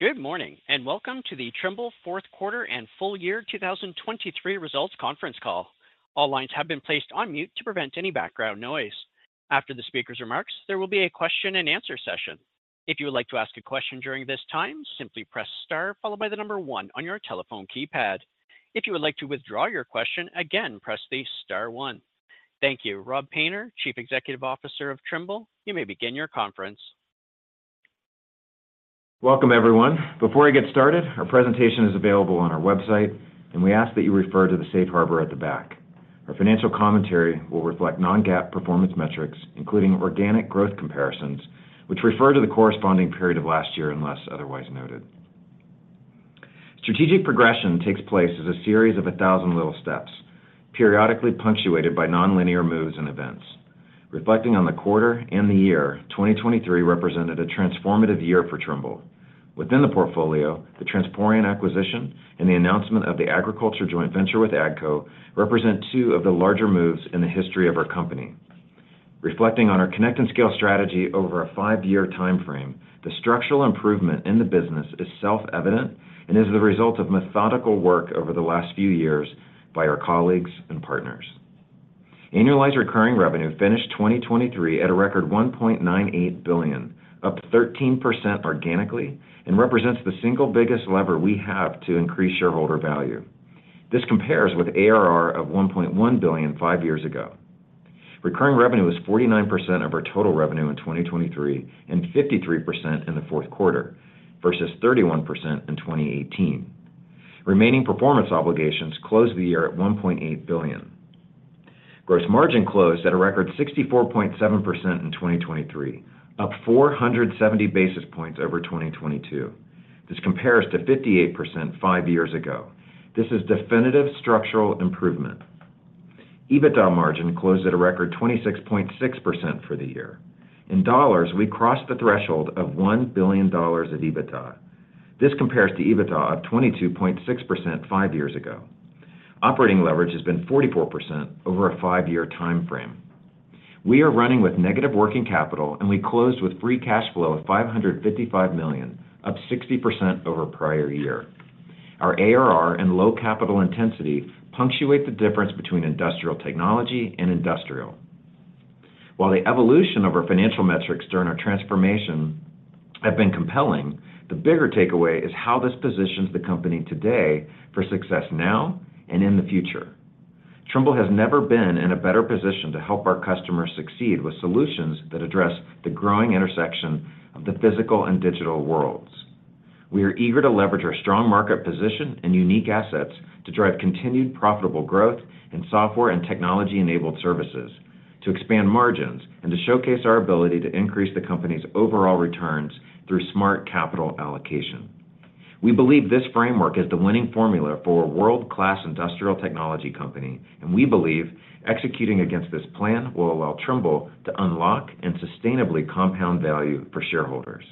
Good morning and welcome to the Trimble fourth quarter and full year 2023 results conference call. All lines have been placed on mute to prevent any background noise. After the speaker's remarks, there will be a question-and-answer session. If you would like to ask a question during this time, simply press star followed by the number one on your telephone keypad. If you would like to withdraw your question, again press the star 1. Thank you. Rob Painter, Chief Executive Officer of Trimble, you may begin your conference. Welcome, everyone. Before I get started, our presentation is available on our website, and we ask that you refer to the safe harbor at the back. Our financial commentary will reflect non-GAAP performance metrics, including organic growth comparisons, which refer to the corresponding period of last year unless otherwise noted. Strategic progression takes place as a series of a thousand little steps, periodically punctuated by non-linear moves and events. Reflecting on the quarter and the year, 2023 represented a transformative year for Trimble. Within the portfolio, the Transporeon acquisition and the announcement of the agriculture joint venture with AGCO represent two of the larger moves in the history of our company. Reflecting on our Connect & Scale strategy over a five-year time frame, the structural improvement in the business is self-evident and is the result of methodical work over the last few years by our colleagues and partners. Annualized recurring revenue finished 2023 at a record $1.98 billion, up 13% organically, and represents the single biggest lever we have to increase shareholder value. This compares with ARR of $1.1 billion five years ago. Recurring revenue is 49% of our total revenue in 2023 and 53% in the fourth quarter, versus 31% in 2018. Remaining performance obligations closed the year at $1.8 billion. Gross margin closed at a record 64.7% in 2023, up 470 basis points over 2022. This compares to 58% five years ago. This is definitive structural improvement. EBITDA margin closed at a record 26.6% for the year. In dollars, we crossed the threshold of $1 billion of EBITDA. This compares to EBITDA of 22.6% five years ago. Operating leverage has been 44% over a five-year time frame. We are running with negative working capital, and we closed with free cash flow of $555 million, up 60% over prior year. Our ARR and low capital intensity punctuate the difference between industrial technology and industrial. While the evolution of our financial metrics during our transformation has been compelling, the bigger takeaway is how this positions the company today for success now and in the future. Trimble has never been in a better position to help our customers succeed with solutions that address the growing intersection of the physical and digital worlds. We are eager to leverage our strong market position and unique assets to drive continued profitable growth in software and technology-enabled services, to expand margins, and to showcase our ability to increase the company's overall returns through smart capital allocation. We believe this framework is the winning formula for a world-class industrial technology company, and we believe executing against this plan will allow Trimble to unlock and sustainably compound value for shareholders.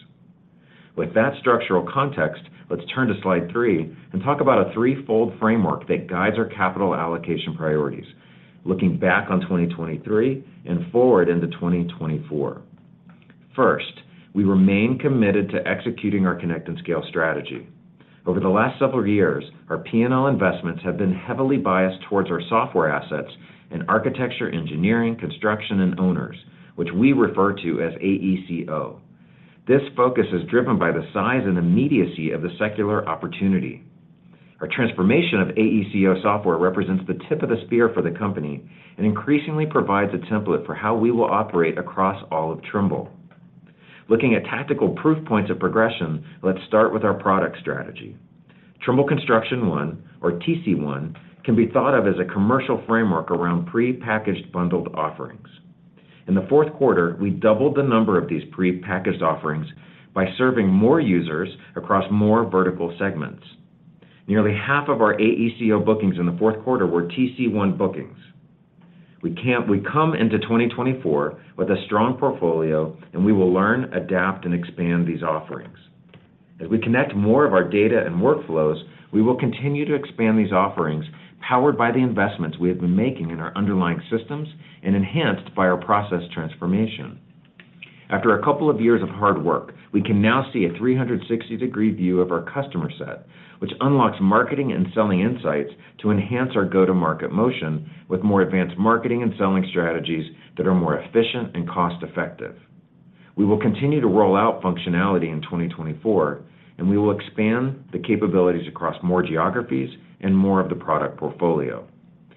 With that structural context, let's turn to slide three and talk about a three-fold framework that guides our capital allocation priorities, looking back on 2023 and forward into 2024. First, we remain committed to executing our Connect & Scale strategy. Over the last several years, our P&L investments have been heavily biased towards our software assets and architecture engineering, construction, and owners, which we refer to as AECO. This focus is driven by the size and immediacy of the secular opportunity. Our transformation of AECO software represents the tip of the spear for the company and increasingly provides a template for how we will operate across all of Trimble. Looking at tactical proof points of progression, let's start with our product strategy. Trimble Construction One, or TC1, can be thought of as a commercial framework around pre-packaged bundled offerings. In the fourth quarter, we doubled the number of these pre-packaged offerings by serving more users across more vertical segments. Nearly half of our AECO bookings in the fourth quarter were TC1 bookings. We come into 2024 with a strong portfolio, and we will learn, adapt, and expand these offerings. As we connect more of our data and workflows, we will continue to expand these offerings powered by the investments we have been making in our underlying systems and enhanced by our process transformation. After a couple of years of hard work, we can now see a 360-degree view of our customer set, which unlocks marketing and selling insights to enhance our go-to-market motion with more advanced marketing and selling strategies that are more efficient and cost-effective. We will continue to roll out functionality in 2024, and we will expand the capabilities across more geographies and more of the product portfolio.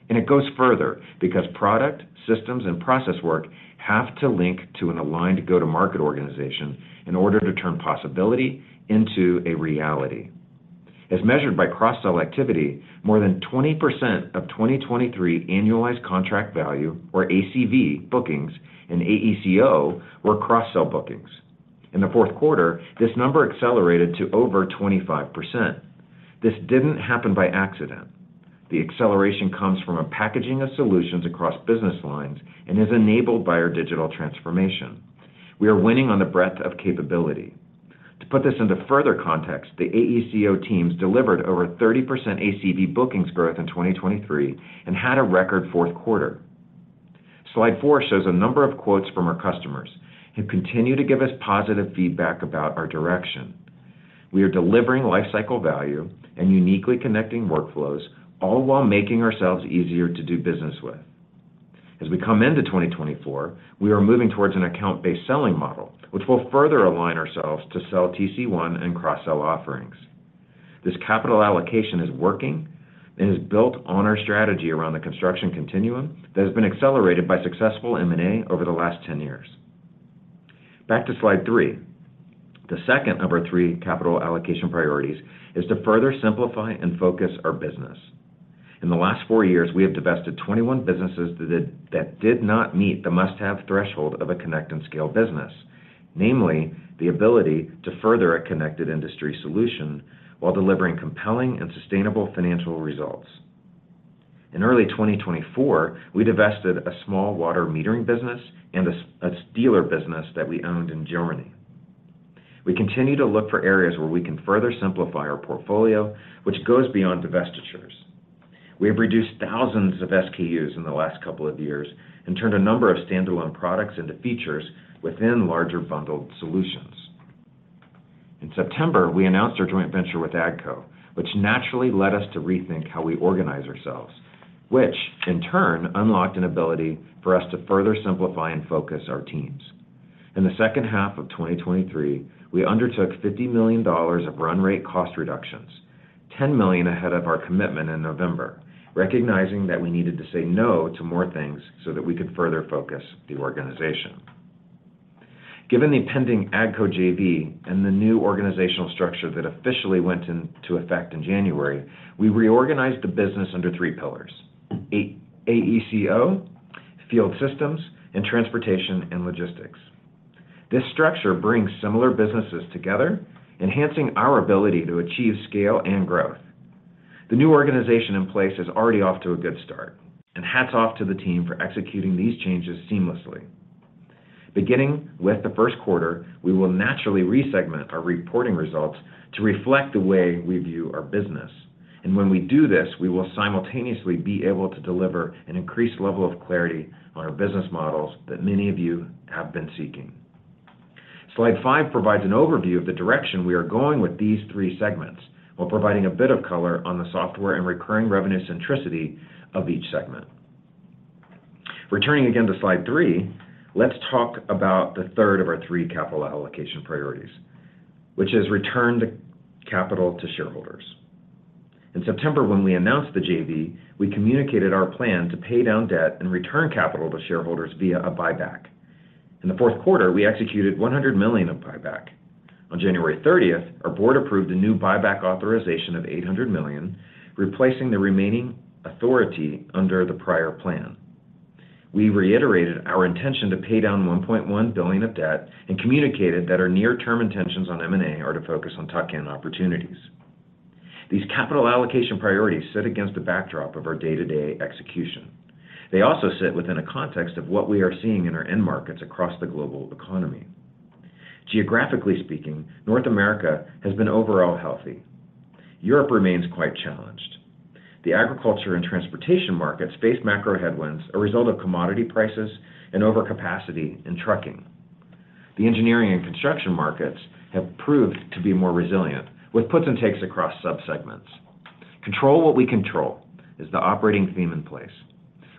And it goes further because product, systems, and process work have to link to an aligned go-to-market organization in order to turn possibility into a reality. As measured by cross-sell activity, more than 20% of 2023 annualized contract value, or ACV, bookings in AECO were cross-sell bookings. In the fourth quarter, this number accelerated to over 25%. This didn't happen by accident. The acceleration comes from a packaging of solutions across business lines and is enabled by our digital transformation. We are winning on the breadth of capability. To put this into further context, the AECO teams delivered over 30% ACV bookings growth in 2023 and had a record fourth quarter. Slide four shows a number of quotes from our customers who continue to give us positive feedback about our direction. "We are delivering lifecycle value and uniquely connecting workflows, all while making ourselves easier to do business with." As we come into 2024, we are moving towards an account-based selling model, which will further align ourselves to sell TC1 and cross-sell offerings. This capital allocation is working and is built on our strategy around the construction continuum that has been accelerated by successful M&A over the last 10 years. Back to slide three. The second of our three capital allocation priorities is to further simplify and focus our business. In the last four years, we have divested 21 businesses that did not meet the must-have threshold of a Connect & Scale business, namely the ability to further a connected industry solution while delivering compelling and sustainable financial results. In early 2024, we divested a small water metering business and a dealer business that we owned in Germany. We continue to look for areas where we can further simplify our portfolio, which goes beyond divestitures. We have reduced thousands of SKUs in the last couple of years and turned a number of standalone products into features within larger bundled solutions. In September, we announced our joint venture with AGCO, which naturally led us to rethink how we organize ourselves, which, in turn, unlocked an ability for us to further simplify and focus our teams. In the second half of 2023, we undertook $50 million of run-rate cost reductions, $10 million ahead of our commitment in November, recognizing that we needed to say no to more things so that we could further focus the organization. Given the pending AGCO JV and the new organizational structure that officially went into effect in January, we reorganized the business under three pillars: AECO, Field Systems, and Transportation and Logistics. This structure brings similar businesses together, enhancing our ability to achieve scale and growth. The new organization in place is already off to a good start, and hats off to the team for executing these changes seamlessly. Beginning with the first quarter, we will naturally resegment our reporting results to reflect the way we view our business. When we do this, we will simultaneously be able to deliver an increased level of clarity on our business models that many of you have been seeking. Slide five provides an overview of the direction we are going with these three segments while providing a bit of color on the software and recurring revenue centricity of each segment. Returning again to slide three, let's talk about the third of our three capital allocation priorities, which is return capital to shareholders. In September, when we announced the JV, we communicated our plan to pay down debt and return capital to shareholders via a buyback. In the fourth quarter, we executed $100 million of buyback. On January 30th, our board approved a new buyback authorization of $800 million, replacing the remaining authority under the prior plan. We reiterated our intention to pay down $1.1 billion of debt and communicated that our near-term intentions on M&A are to focus on tuck-in opportunities. These capital allocation priorities sit against the backdrop of our day-to-day execution. They also sit within a context of what we are seeing in our end markets across the global economy. Geographically speaking, North America has been overall healthy. Europe remains quite challenged. The agriculture and transportation markets face macro headwinds as a result of commodity prices and overcapacity in trucking. The engineering and construction markets have proved to be more resilient, with puts and takes across subsegments. "Control what we control" is the operating theme in place.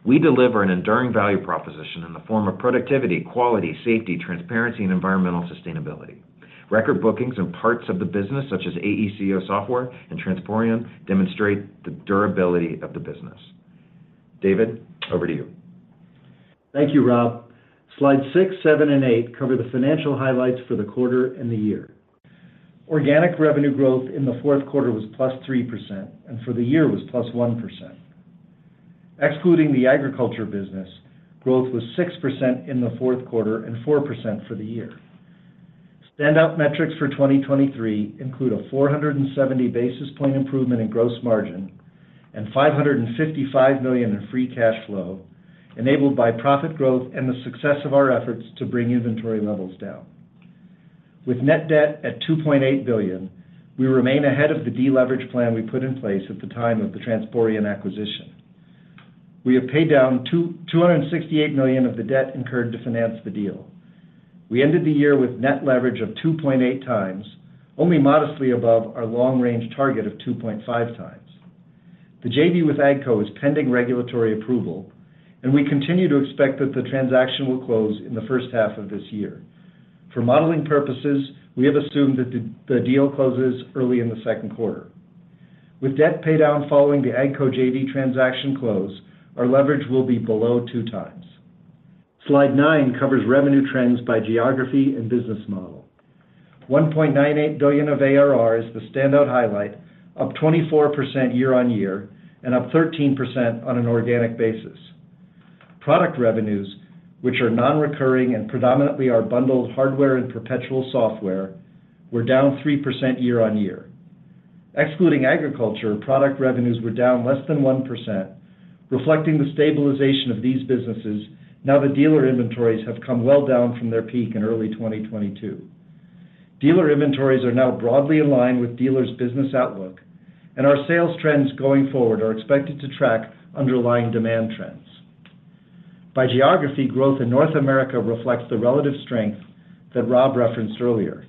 We deliver an enduring value proposition in the form of productivity, quality, safety, transparency, and environmental sustainability. Record bookings and parts of the business, such as AECO software and Transporeon, demonstrate the durability of the business. David, over to you. Thank you, Rob. Slides six, seven, and eight cover the financial highlights for the quarter and the year. Organic revenue growth in the fourth quarter was +3%, and for the year was +1%. Excluding the agriculture business, growth was 6% in the fourth quarter and 4% for the year. Standout metrics for 2023 include a 470 basis point improvement in gross margin and $555 million in free cash flow, enabled by profit growth and the success of our efforts to bring inventory levels down. With net debt at $2.8 billion, we remain ahead of the deleveraged plan we put in place at the time of the Transporeon acquisition. We have paid down $268 million of the debt incurred to finance the deal. We ended the year with net leverage of 2.8x, only modestly above our long-range target of 2.5x. The JV with AGCO is pending regulatory approval, and we continue to expect that the transaction will close in the first half of this year. For modeling purposes, we have assumed that the deal closes early in the second quarter. With debt paydown following the AGCO JV transaction close, our leverage will be below 2x. Slide nine covers revenue trends by geography and business model. $1.98 billion of ARR is the standout highlight, up 24% year-over-year and up 13% on an organic basis. Product revenues, which are non-recurring and predominantly our bundled hardware and perpetual software, were down 3% year-over-year. Excluding agriculture, product revenues were down less than 1%, reflecting the stabilization of these businesses now that dealer inventories have come well down from their peak in early 2022. Dealer inventories are now broadly in line with dealers' business outlook, and our sales trends going forward are expected to track underlying demand trends. By geography, growth in North America reflects the relative strength that Rob referenced earlier.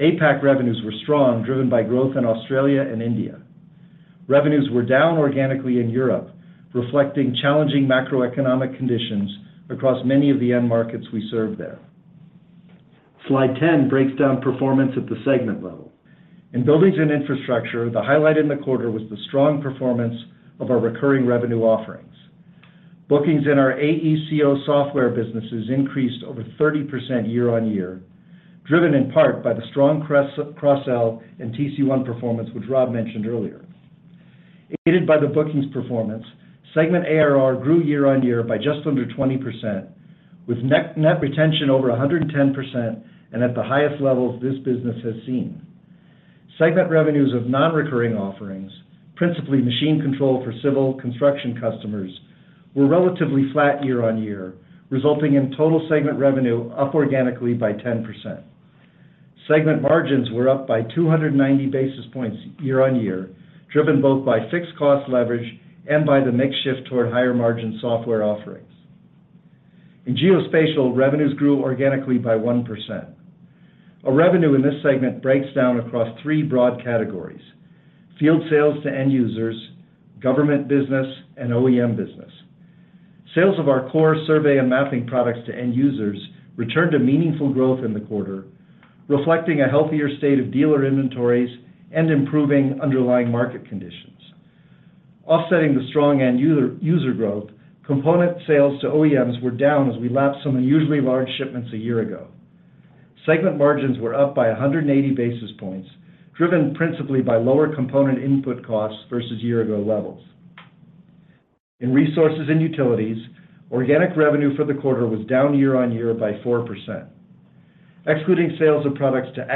APAC revenues were strong, driven by growth in Australia and India. Revenues were down organically in Europe, reflecting challenging macroeconomic conditions across many of the end markets we served there. Slide 10 breaks down performance at the segment level. In Buildings and Infrastructure, the highlight in the quarter was the strong performance of our recurring revenue offerings. Bookings in our AECO software businesses increased over 30% year-over-year, driven in part by the strong cross-sell and TC1 performance, which Rob mentioned earlier. Aided by the bookings performance, segment ARR grew year-over-year by just under 20%, with net retention over 110% and at the highest levels this business has seen. Segment revenues of non-recurring offerings, principally machine control for civil construction customers, were relatively flat year-over-year, resulting in total segment revenue up organically by 10%. Segment margins were up by 290 basis points year-over-year, driven both by fixed cost leverage and by the mixed shift toward higher margin software offerings. In Geospatial, revenues grew organically by 1%. Our revenue in this segment breaks down across three broad categories: field sales to end users, government business, and OEM business. Sales of our core survey and mapping products to end users returned to meaningful growth in the quarter, reflecting a healthier state of dealer inventories and improving underlying market conditions. Offsetting the strong end user growth, component sales to OEMs were down as we lapped some unusually large shipments a year ago. Segment margins were up by 180 basis points, driven principally by lower component input costs versus year-ago Resources and Utilities, organic revenue for the quarter was down year-on-year by 4%. Excluding sales of products to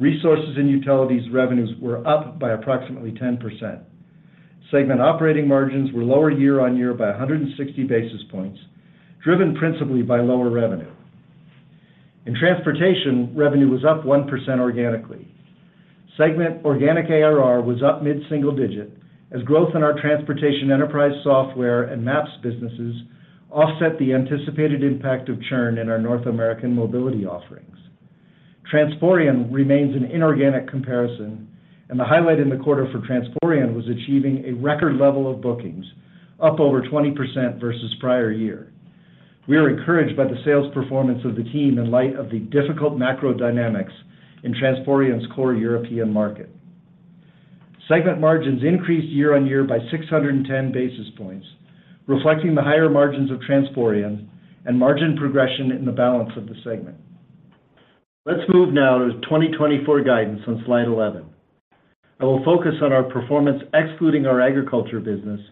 Resources and Utilities revenues were up by approximately 10%. Segment operating margins were lower year-on-year by 160 basis points, driven principally by lower revenue. In Transportation, revenue was up 1% organically. Segment organic ARR was up mid-single digit, as growth in our transportation enterprise software and maps businesses offset the anticipated impact of churn in our North American mobility offerings. Transporeon remains an inorganic comparison, and the highlight in the quarter for Transporeon was achieving a record level of bookings, up over 20% versus prior year. We are encouraged by the sales performance of the team in light of the difficult macro dynamics in Transporeon's core European market. Segment margins increased year-on-year by 610 basis points, reflecting the higher margins of Transporeon and margin progression in the balance of the segment. Let's move now to 2024 guidance on slide 11. I will focus on our performance excluding our agriculture business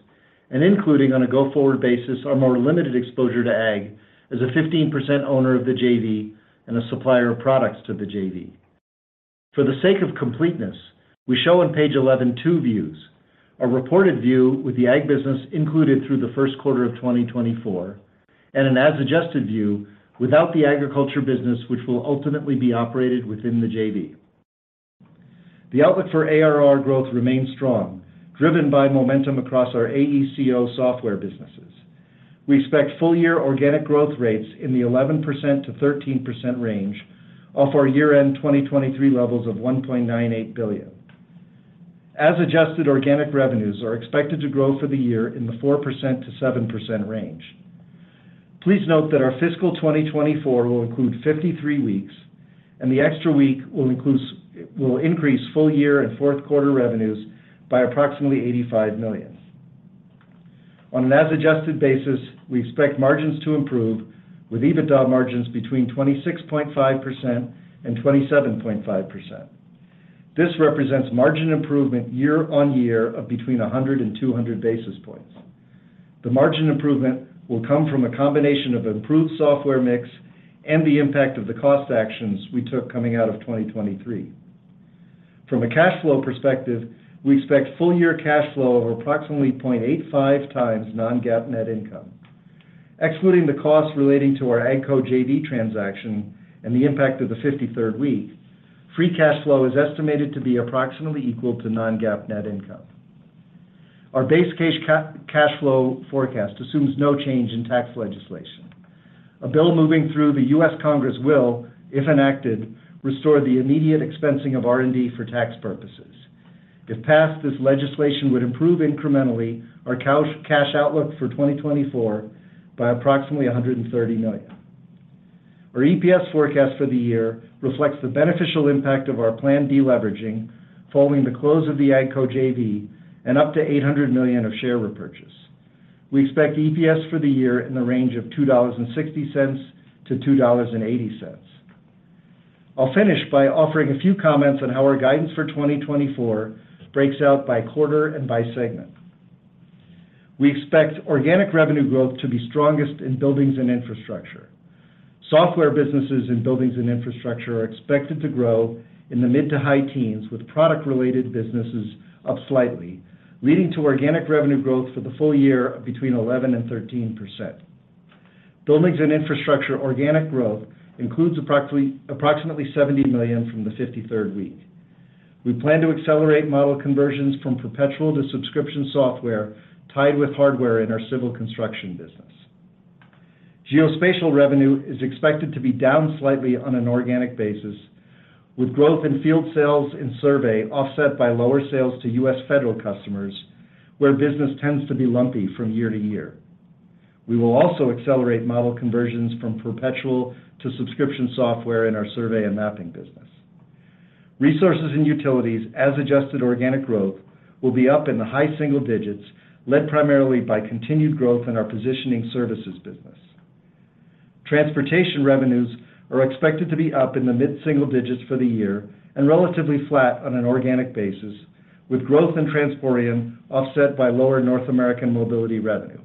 and including on a go-forward basis our more limited exposure to Ag as a 15% owner of the JV and a supplier of products to the JV. For the sake of completeness, we show on page 11 two views: a reported view with the Ag business included through the first quarter of 2024 and an as-adjusted view without the agriculture business, which will ultimately be operated within the JV. The outlook for ARR growth remains strong, driven by momentum across our AECO software businesses. We expect full-year organic growth rates in the 11%-13% range off our year-end 2023 levels of $1.98 billion. As-adjusted organic revenues are expected to grow for the year in the 4%-7% range. Please note that our fiscal 2024 will include 53 weeks, and the extra week will increase full-year and fourth quarter revenues by approximately $85 million. On an as-adjusted basis, we expect margins to improve with EBITDA margins between 26.5% and 27.5%. This represents margin improvement year-over-year of between 100 and 200 basis points. The margin improvement will come from a combination of improved software mix and the impact of the cost actions we took coming out of 2023. From a cash flow perspective, we expect full-year cash flow of approximately 0.85 times non-GAAP net income. Excluding the costs relating to our AGCO JV transaction and the impact of the 53rd week, free cash flow is estimated to be approximately equal to non-GAAP net income. Our base cash flow forecast assumes no change in tax legislation. A bill moving through the U.S. Congress will, if enacted, restore the immediate expensing of R&D for tax purposes. If passed, this legislation would improve incrementally our cash outlook for 2024 by approximately $130 million. Our EPS forecast for the year reflects the beneficial impact of our planned deleveraging following the close of the AGCO JV and up to $800 million of share repurchase. We expect EPS for the year in the range of $2.60-$2.80. I'll finish by offering a few comments on how our guidance for 2024 breaks out by quarter and by segment. We expect organic revenue growth to be strongest in Buildings and Infrastructure. Software businesses in Buildings and Infrastructure are expected to grow in the mid to high teens, with product-related businesses up slightly, leading to organic revenue growth for the full year between 11% and 13%. Buildings and Infrastructure organic growth includes approximately $70 million from the 53rd week. We plan to accelerate model conversions from perpetual to subscription software tied with hardware in our civil construction business. Geospatial revenue is expected to be down slightly on an organic basis, with growth in field sales and survey offset by lower sales to U.S. federal customers, where business tends to be lumpy from year to year. We will also accelerate model conversions from perpetual to subscription software in our survey and Resources and Utilities, as-adjusted organic growth, will be up in the high single digits, led primarily by continued growth in our positioning services business. Transportation revenues are expected to be up in the mid-single digits for the year and relatively flat on an organic basis, with growth in Transporeon offset by lower North American mobility revenue.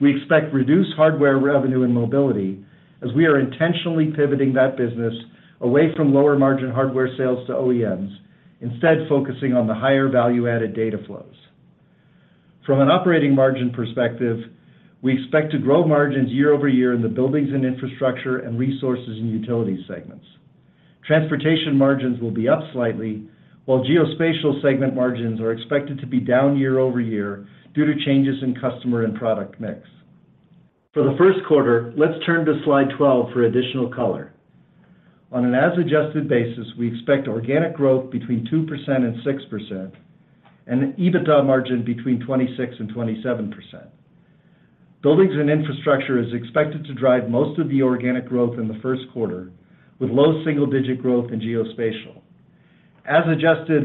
We expect reduced hardware revenue in mobility, as we are intentionally pivoting that business away from lower margin hardware sales to OEMs, instead focusing on the higher value-added data flows. From an operating margin perspective, we expect to grow margins year-over-year in the Buildings and Infrastructure and Resources and Utilities segments. Transportation margins will be up slightly, while Geospatial segment margins are expected to be down year-over-year due to changes in customer and product mix. For the first quarter, let's turn to slide 12 for additional color. On an as-adjusted basis, we expect organic growth between 2% and 6% and an EBITDA margin between 26% and 27%. Buildings and Infrastructure is expected to drive most of the organic growth in the first quarter, with low single-digit growth in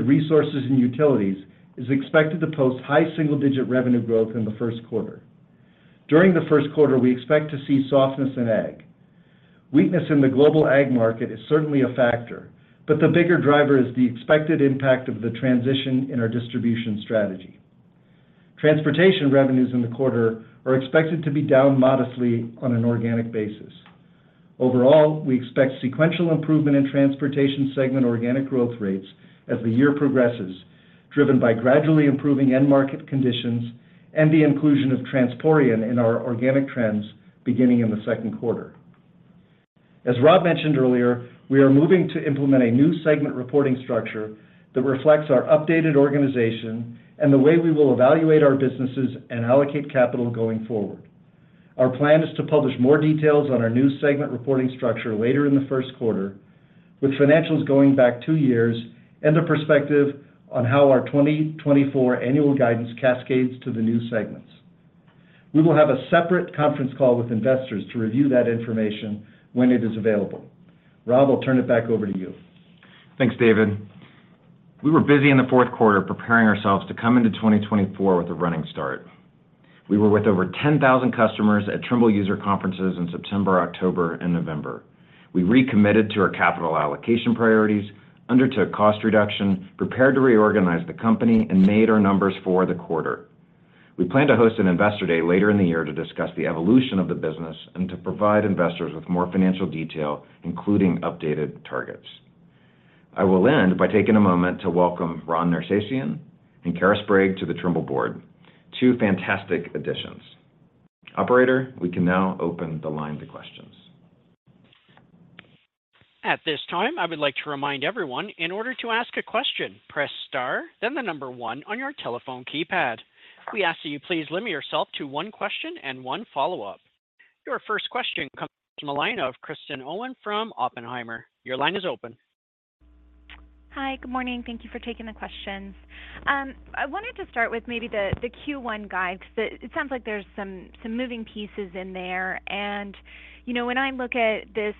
Resources and Utilities is expected to post high single-digit revenue growth in the first quarter. During the first quarter, we expect to see softness in Ag. Weakness in the global Ag market is certainly a factor, but the bigger driver is the expected impact of the transition in our distribution strategy. Transportation revenues in the quarter are expected to be down modestly on an organic basis. Overall, we expect sequential improvement in Transportation segment organic growth rates as the year progresses, driven by gradually improving end market conditions and the inclusion of Transporeon in our organic trends beginning in the second quarter. As Rob mentioned earlier, we are moving to implement a new segment reporting structure that reflects our updated organization and the way we will evaluate our businesses and allocate capital going forward. Our plan is to publish more details on our new segment reporting structure later in the first quarter, with financials going back two years and a perspective on how our 2024 annual guidance cascades to the new segments. We will have a separate conference call with investors to review that information when it is available. Rob, I'll turn it back over to you. Thanks, David. We were busy in the fourth quarter preparing ourselves to come into 2024 with a running start. We were with over 10,000 customers at Trimble user conferences in September, October, and November. We recommitted to our capital allocation priorities, undertook cost reduction, prepared to reorganize the company, and made our numbers for the quarter. We plan to host an Investor Day later in the year to discuss the evolution of the business and to provide investors with more financial detail, including updated targets. I will end by taking a moment to welcome Ron Nersesian and Kara Sprague to the Trimble board, two fantastic additions. Operator, we can now open the line to questions. At this time, I would like to remind everyone, in order to ask a question, press star, then the number one on your telephone keypad. We ask that you please limit yourself to one question and one follow-up. Your first question comes from a line of Kristen Owen from Oppenheimer. Your line is open. Hi. Good morning. Thank you for taking the questions. I wanted to start with maybe the Q1 guide because it sounds like there's some moving pieces in there. When I look at this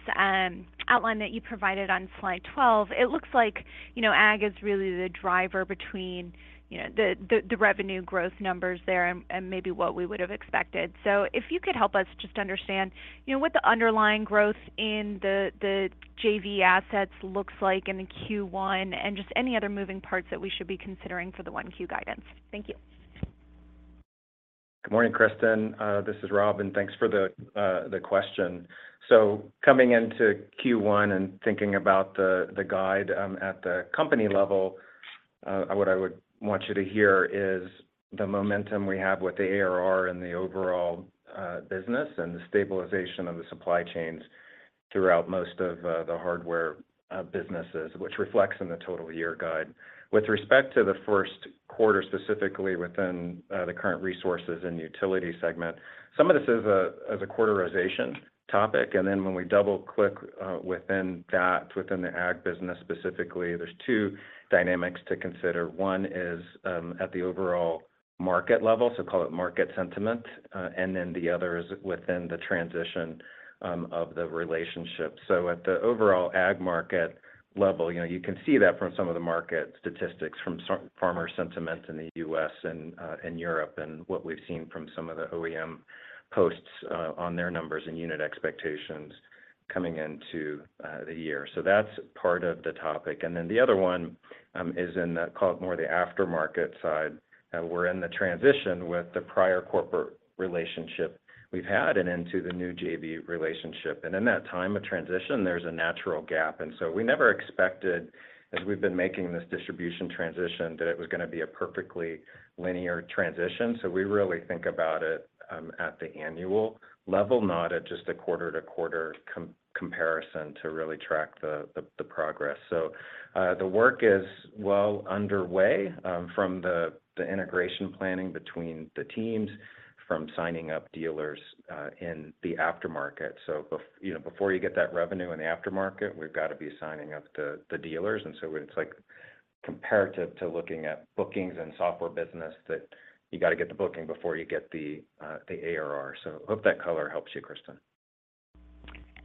outline that you provided on slide 12, it looks like Ag is really the driver between the revenue growth numbers there and maybe what we would have expected. So if you could help us just understand what the underlying growth in the JV assets looks like in the Q1 and just any other moving parts that we should be considering for the Q1 guidance. Thank you. Good morning, Kristin. This is Rob, and thanks for the question. So coming into Q1 and thinking about the guide at the company level, what I would want you to hear is the momentum we have with the ARR and the overall business and the stabilization of the supply chains throughout most of the hardware businesses, which reflects in the total year guide. With respect to the first quarter specifically within Resources and Utilities segment, some of this is a quarterization topic. Then when we double-click within that, within the Ag business specifically, there are two dynamics to consider. One is at the overall market level, so call it market sentiment, and then the other is within the transition of the relationship. So at the overall Ag market level, you can see that from some of the market statistics, from farmer sentiment in the U.S. and Europe and what we've seen from some of the OEM posts on their numbers and unit expectations coming into the year. So that's part of the topic. And then the other one is in, call it more, the aftermarket side. We're in the transition with the prior corporate relationship we've had and into the new JV relationship. And in that time of transition, there's a natural gap. And so we never expected, as we've been making this distribution transition, that it was going to be a perfectly linear transition. So we really think about it at the annual level, not at just a quarter-to-quarter comparison to really track the progress. So the work is well underway from the integration planning between the teams, from signing up dealers in the aftermarket. So before you get that revenue in the aftermarket, we've got to be signing up the dealers. And so it's comparative to looking at bookings and software business that you got to get the booking before you get the ARR. So hope that color helps you, Kristin.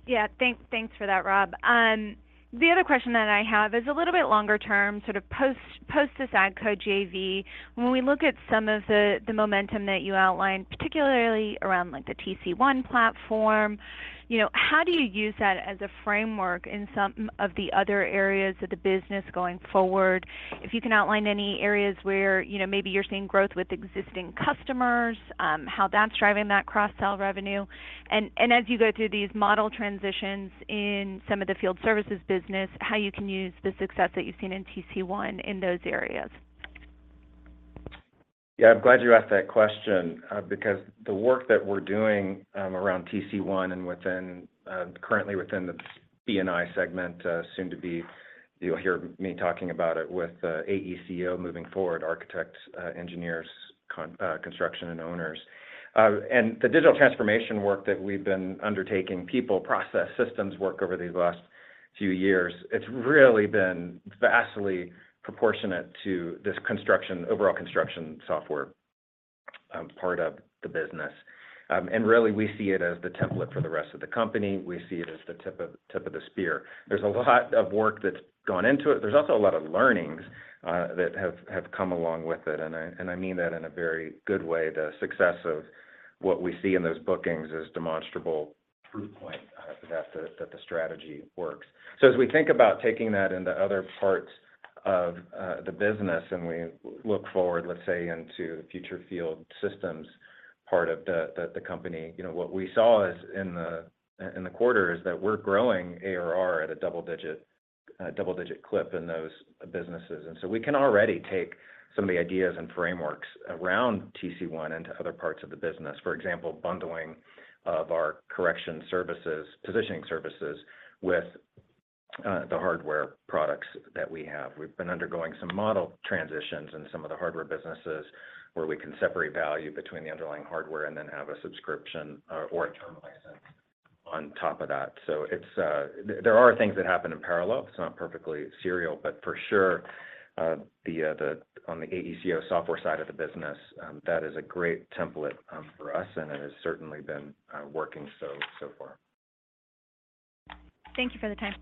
Yeah. Thanks for that, Rob. The other question that I have is a little bit longer term, sort of post this AGCO JV. When we look at some of the momentum that you outlined, particularly around the TC1 platform, how do you use that as a framework in some of the other areas of the business going forward? If you can outline any areas where maybe you're seeing growth with existing customers, how that's driving that cross-sell revenue. And as you go through these model transitions in some of the field services business, how you can use the success that you've seen in TC1 in those areas. Yeah. I'm glad you asked that question because the work that we're doing around TC1 and currently within the B&I segment, soon to be you'll hear me talking about it with AECO moving forward, architects, engineers, construction, and owners. The digital transformation work that we've been undertaking, people, process, systems work over these last few years, it's really been vastly proportionate to this overall construction software part of the business. Really, we see it as the template for the rest of the company. We see it as the tip of the spear. There's a lot of work that's gone into it. There's also a lot of learnings that have come along with it. I mean that in a very good way. The success of what we see in those bookings is demonstrable proof point that the strategy works. So as we think about taking that into other parts of the business and we look forward, let's say, into the future Field Systems part of the company, what we saw in the quarter is that we're growing ARR at a double-digit clip in those businesses. And so we can already take some of the ideas and frameworks around TC1 into other parts of the business, for example, bundling of our positioning services with the hardware products that we have. We've been undergoing some model transitions in some of the hardware businesses where we can separate value between the underlying hardware and then have a subscription or a term license on top of that. So there are things that happen in parallel. It's not perfectly serial, but for sure, on the AECO software side of the business, that is a great template for us, and it has certainly been working so far. Thank you for the time.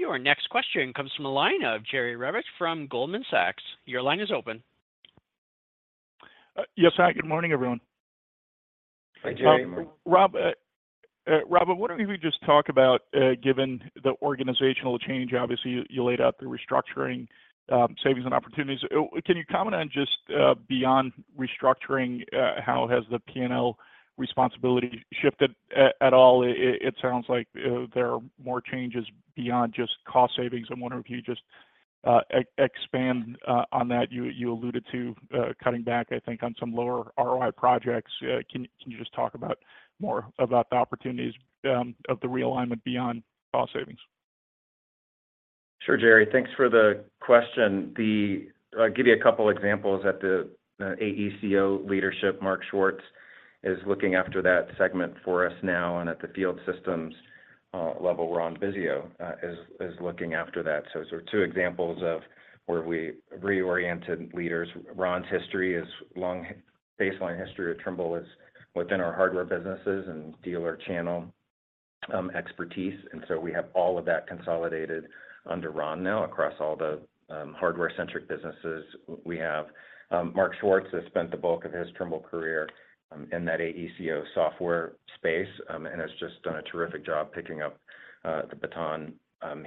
Your next question comes from a line of Jerry Revich from Goldman Sachs. Your line is open. Yes, hi. Good morning, everyone. Hi, Jerry. Rob, why don't we just talk about, given the organizational change, obviously, you laid out the restructuring, savings, and opportunities. Can you comment on just beyond restructuring, how has the P&L responsibility shifted at all? It sounds like there are more changes beyond just cost savings. I wonder if you could just expand on that. You alluded to cutting back, I think, on some lower ROI projects. Can you just talk more about the opportunities of the realignment beyond cost savings? Sure, Jerry. Thanks for the question. I'll give you a couple of examples. At the AECO leadership, Mark Schwartz is looking after that segment for us now. And at the Field Systems level, Ron Bisio is looking after that. So those are two examples of where we reoriented leaders. Ron's baseline history at Trimble is within our hardware businesses and dealer channel expertise. And so we have all of that consolidated under Ron now across all the hardware-centric businesses. Mark Schwartz has spent the bulk of his Trimble career in that AECO software space and has just done a terrific job picking up the baton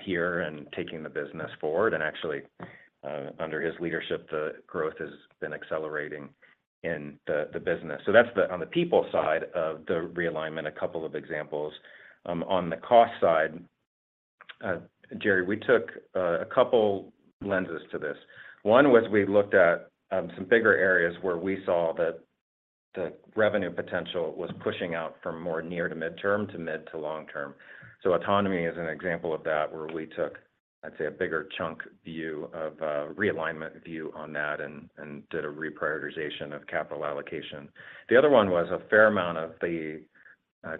here and taking the business forward. And actually, under his leadership, the growth has been accelerating in the business. So that's on the people side of the realignment, a couple of examples. On the cost side, Jerry, we took a couple of lenses to this. One was we looked at some bigger areas where we saw that the revenue potential was pushing out from more near to mid-term to mid to long-term. So autonomy is an example of that where we took, I'd say, a bigger chunk view of a realignment view on that and did a reprioritization of capital allocation. The other one was a fair amount of the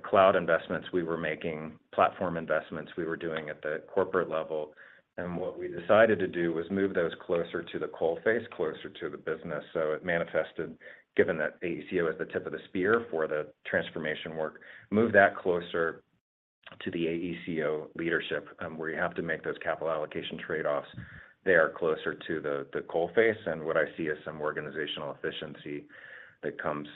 cloud investments we were making, platform investments we were doing at the corporate level. And what we decided to do was move those closer to the coalface, closer to the business. So it manifested, given that AECO is the tip of the spear for the transformation work, move that closer to the AECO leadership where you have to make those capital allocation trade-offs. They are closer to the coalface. And what I see is some organizational efficiency that comes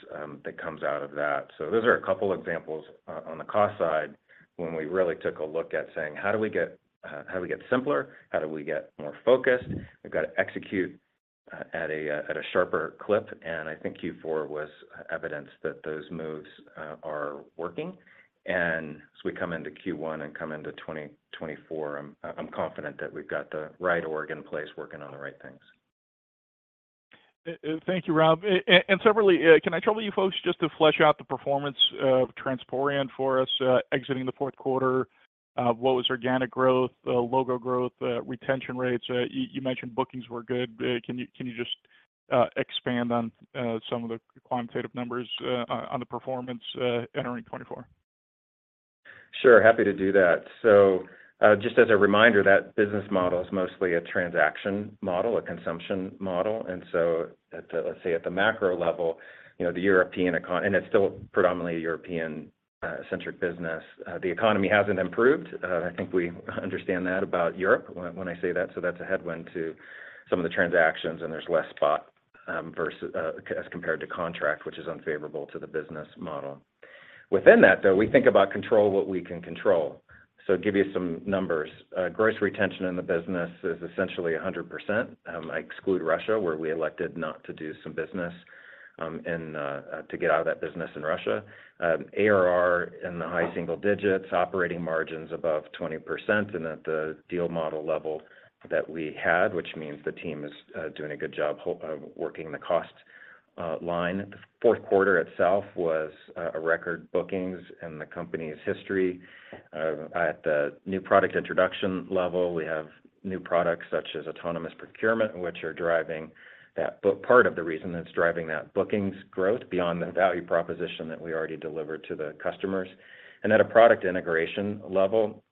out of that. So those are a couple of examples on the cost side when we really took a look at saying, how do we get simpler? How do we get more focused? We've got to execute at a sharper clip. And I think Q4 was evidence that those moves are working. And as we come into Q1 and come into 2024, I'm confident that we've got the right org in place working on the right things. Thank you, Rob. And separately, can I trouble you folks just to flesh out the performance of Transporeon for us exiting the fourth quarter? What was organic growth, logo growth, retention rates? You mentioned bookings were good. Can you just expand on some of the quantitative numbers on the performance entering 2024? Sure. Happy to do that. So just as a reminder, that business model is mostly a transaction model, a consumption model. And so let's say at the macro level, the European and it's still predominantly European-centric business. The economy hasn't improved. I think we understand that about Europe when I say that. So that's a headwind to some of the transactions, and there's less spot as compared to contract, which is unfavorable to the business model. Within that, though, we think about control what we can control. So I'll give you some numbers. Gross retention in the business is essentially 100%. I exclude Russia where we elected not to do some business and to get out of that business in Russia. ARR in the high single digits, operating margins above 20%. At the deal model level that we had, which means the team is doing a good job working the cost line. The fourth quarter itself was a record bookings in the company's history. At the new product introduction level, we have new products such as autonomous procurement, which are driving that part of the reason that's driving that bookings growth beyond the value proposition that we already delivered to the customers. At a product integration level,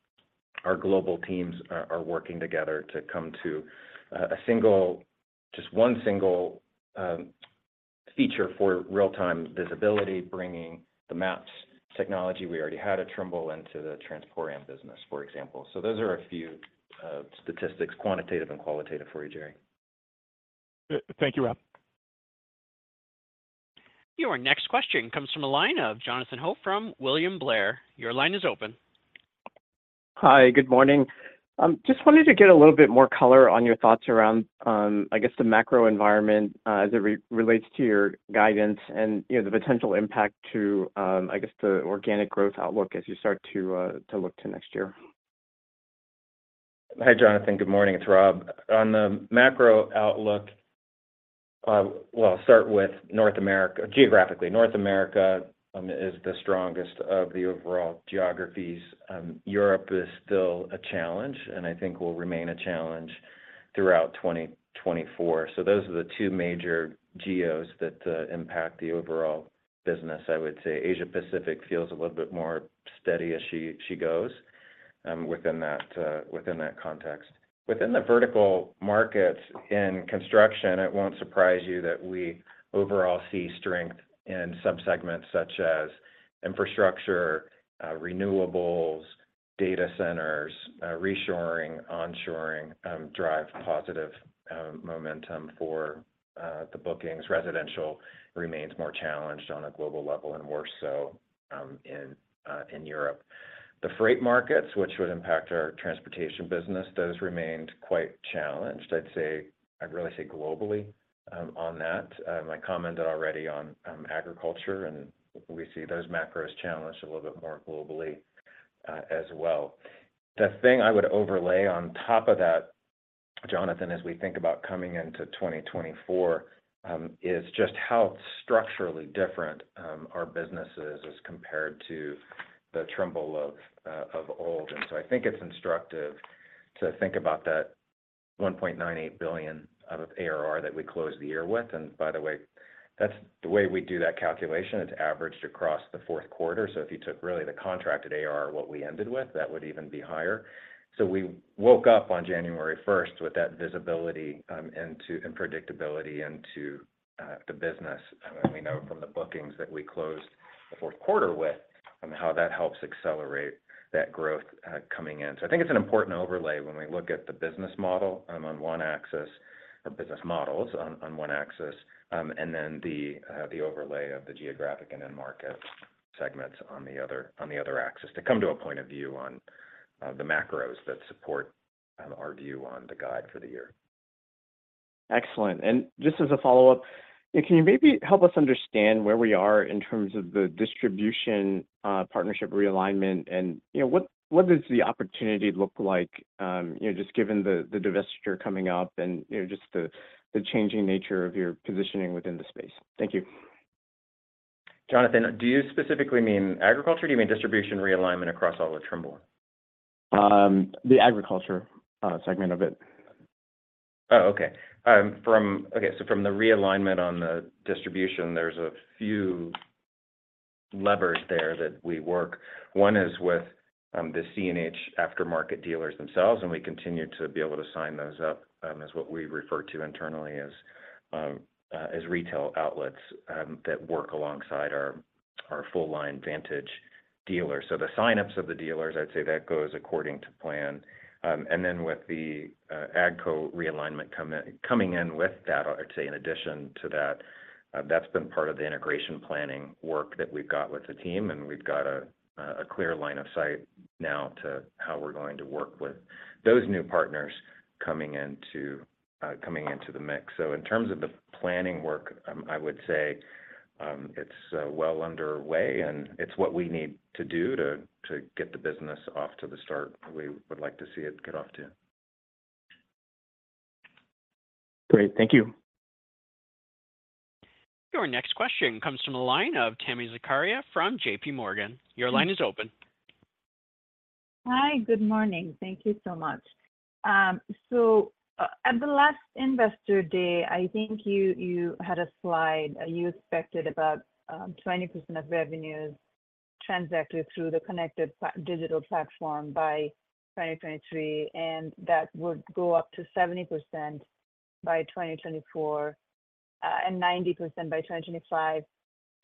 our global teams are working together to come to just one single feature for real-time visibility, bringing the maps technology we already had at Trimble into the Transporeon business, for example. Those are a few statistics, quantitative and qualitative, for you, Jerry. Thank you, Rob. Your next question comes from a line of Jonathan Ho from William Blair. Your line is open. Hi. Good morning. Just wanted to get a little bit more color on your thoughts around, I guess, the macro environment as it relates to your guidance and the potential impact to, I guess, the organic growth outlook as you start to look to next year. Hi, Jonathan. Good morning. It's Rob. On the macro outlook, well, I'll start with geographically. North America is the strongest of the overall geographies. Europe is still a challenge and I think will remain a challenge throughout 2024. So those are the two major geos that impact the overall business. I would say Asia-Pacific feels a little bit more steady as she goes within that context. Within the vertical markets in construction, it won't surprise you that we overall see strength in subsegments such as infrastructure, renewables, data centers, reshoring, onshoring drive positive momentum for the bookings. Residential remains more challenged on a global level and worse so in Europe. The freight markets, which would impact our Transportation business, those remained quite challenged, I'd say, I'd really say globally on that. I commented already on agriculture, and we see those macros challenged a little bit more globally as well. The thing I would overlay on top of that, Jonathan, as we think about coming into 2024, is just how structurally different our business is as compared to the Trimble of old. And so I think it's instructive to think about that $1.98 billion of ARR that we closed the year with. And by the way, that's the way we do that calculation. It's averaged across the fourth quarter. So if you took really the contracted ARR, what we ended with, that would even be higher. So we woke up on January 1st with that visibility and predictability into the business. And we know from the bookings that we closed the fourth quarter with how that helps accelerate that growth coming in. So I think it's an important overlay when we look at the business model on one axis or business models on one axis, and then the overlay of the geographic and end market segments on the other axis to come to a point of view on the macros that support our view on the guide for the year. Excellent. And just as a follow-up, can you maybe help us understand where we are in terms of the distribution partnership realignment? And what does the opportunity look like, just given the divestiture coming up and just the changing nature of your positioning within the space? Thank you. Jonathan, do you specifically mean agriculture? Do you mean distribution realignment across all of Trimble? The agriculture segment of it. Oh, okay. Okay. So from the realignment on the distribution, there's a few levers there that we work. One is with the C&H aftermarket dealers themselves, and we continue to be able to sign those up as what we refer to internally as retail outlets that work alongside our full-line Vantage dealers. So the sign-ups of the dealers, I'd say that goes according to plan. And then with the AGCO realignment coming in with that, I'd say in addition to that, that's been part of the integration planning work that we've got with the team. And we've got a clear line of sight now to how we're going to work with those new partners coming into the mix. So in terms of the planning work, I would say it's well underway, and it's what we need to do to get the business off to the start we would like to see it get off to. Great. Thank you. Your next question comes from a line of Tami Zakaria from JPMorgan. Your line is open. Hi. Good morning. Thank you so much. So at the last investor day, I think you had a slide. You expected about 20% of revenues transacted through the connected digital platform by 2023, and that would go up to 70% by 2024 and 90% by 2025.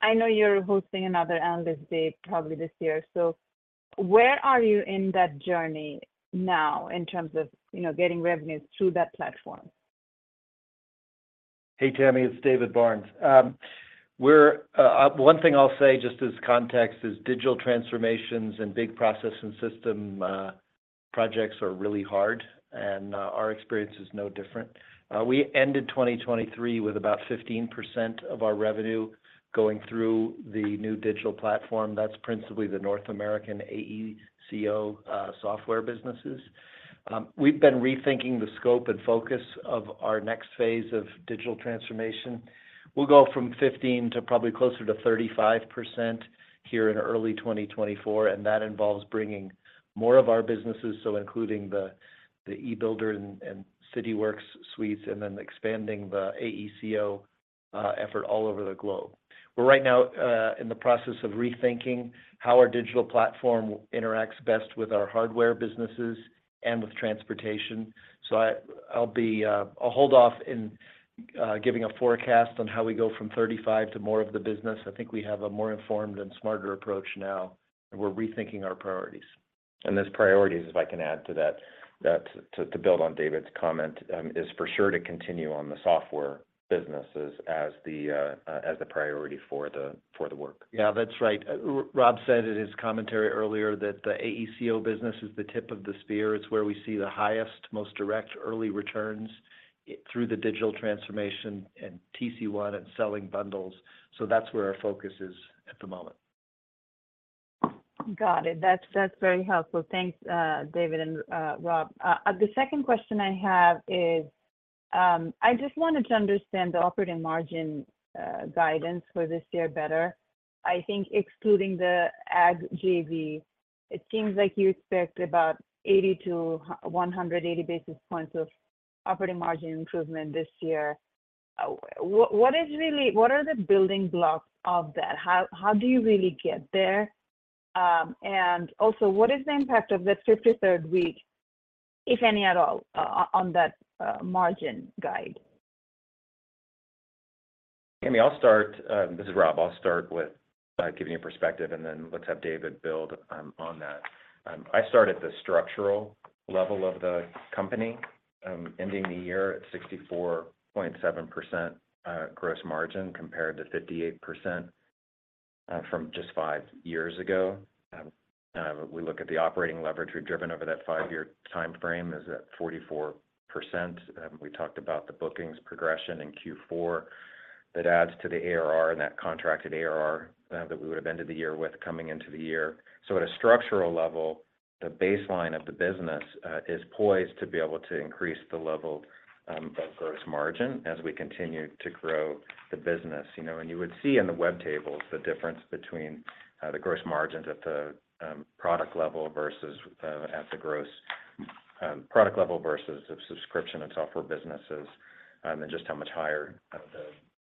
I know you're hosting another Analyst Day probably this year. So where are you in that journey now in terms of getting revenues through that platform? Hey, Tammy. It's David Barnes. One thing I'll say just as context is digital transformations and big process and system projects are really hard, and our experience is no different. We ended 2023 with about 15% of our revenue going through the new digital platform. That's principally the North American AECO software businesses. We've been rethinking the scope and focus of our next phase of digital transformation. We'll go from 15 to probably closer to 35% here in early 2024. And that involves bringing more of our businesses, so including the e-Builder and Cityworks suites, and then expanding the AECO effort all over the globe. We're right now in the process of rethinking how our digital platform interacts best with our hardware businesses and with transportation. So I'll hold off in giving a forecast on how we go from 35 to more of the business.I think we have a more informed and smarter approach now, and we're rethinking our priorities. Those priorities, if I can add to that, to build on David's comment, is for sure to continue on the software business as the priority for the work. Yeah, that's right. Rob said in his commentary earlier that the AECO business is the tip of the spear. It's where we see the highest, most direct early returns through the digital transformation and TC1 and selling bundles. So that's where our focus is at the moment. Got it. That's very helpful. Thanks, David and Rob. The second question I have is I just wanted to understand the operating margin guidance for this year better. I think excluding the Ag JV, it seems like you expect about 80-180 basis points of operating margin improvement this year. What are the building blocks of that? How do you really get there? And also, what is the impact of that 53rd week, if any at all, on that margin guide? Tami, this is Rob. I'll start with giving you perspective, and then let's have David build on that. I start at the structural level of the company, ending the year at 64.7% gross margin compared to 58% from just five years ago. We look at the operating leverage we've driven over that five-year time frame. It's at 44%. We talked about the bookings progression in Q4 that adds to the ARR and that contracted ARR that we would have ended the year with coming into the year. So at a structural level, the baseline of the business is poised to be able to increase the level of gross margin as we continue to grow the business. You would see in the web tables the difference between the gross margins at the product level versus at the gross product level versus subscription and software businesses, and then just how much higher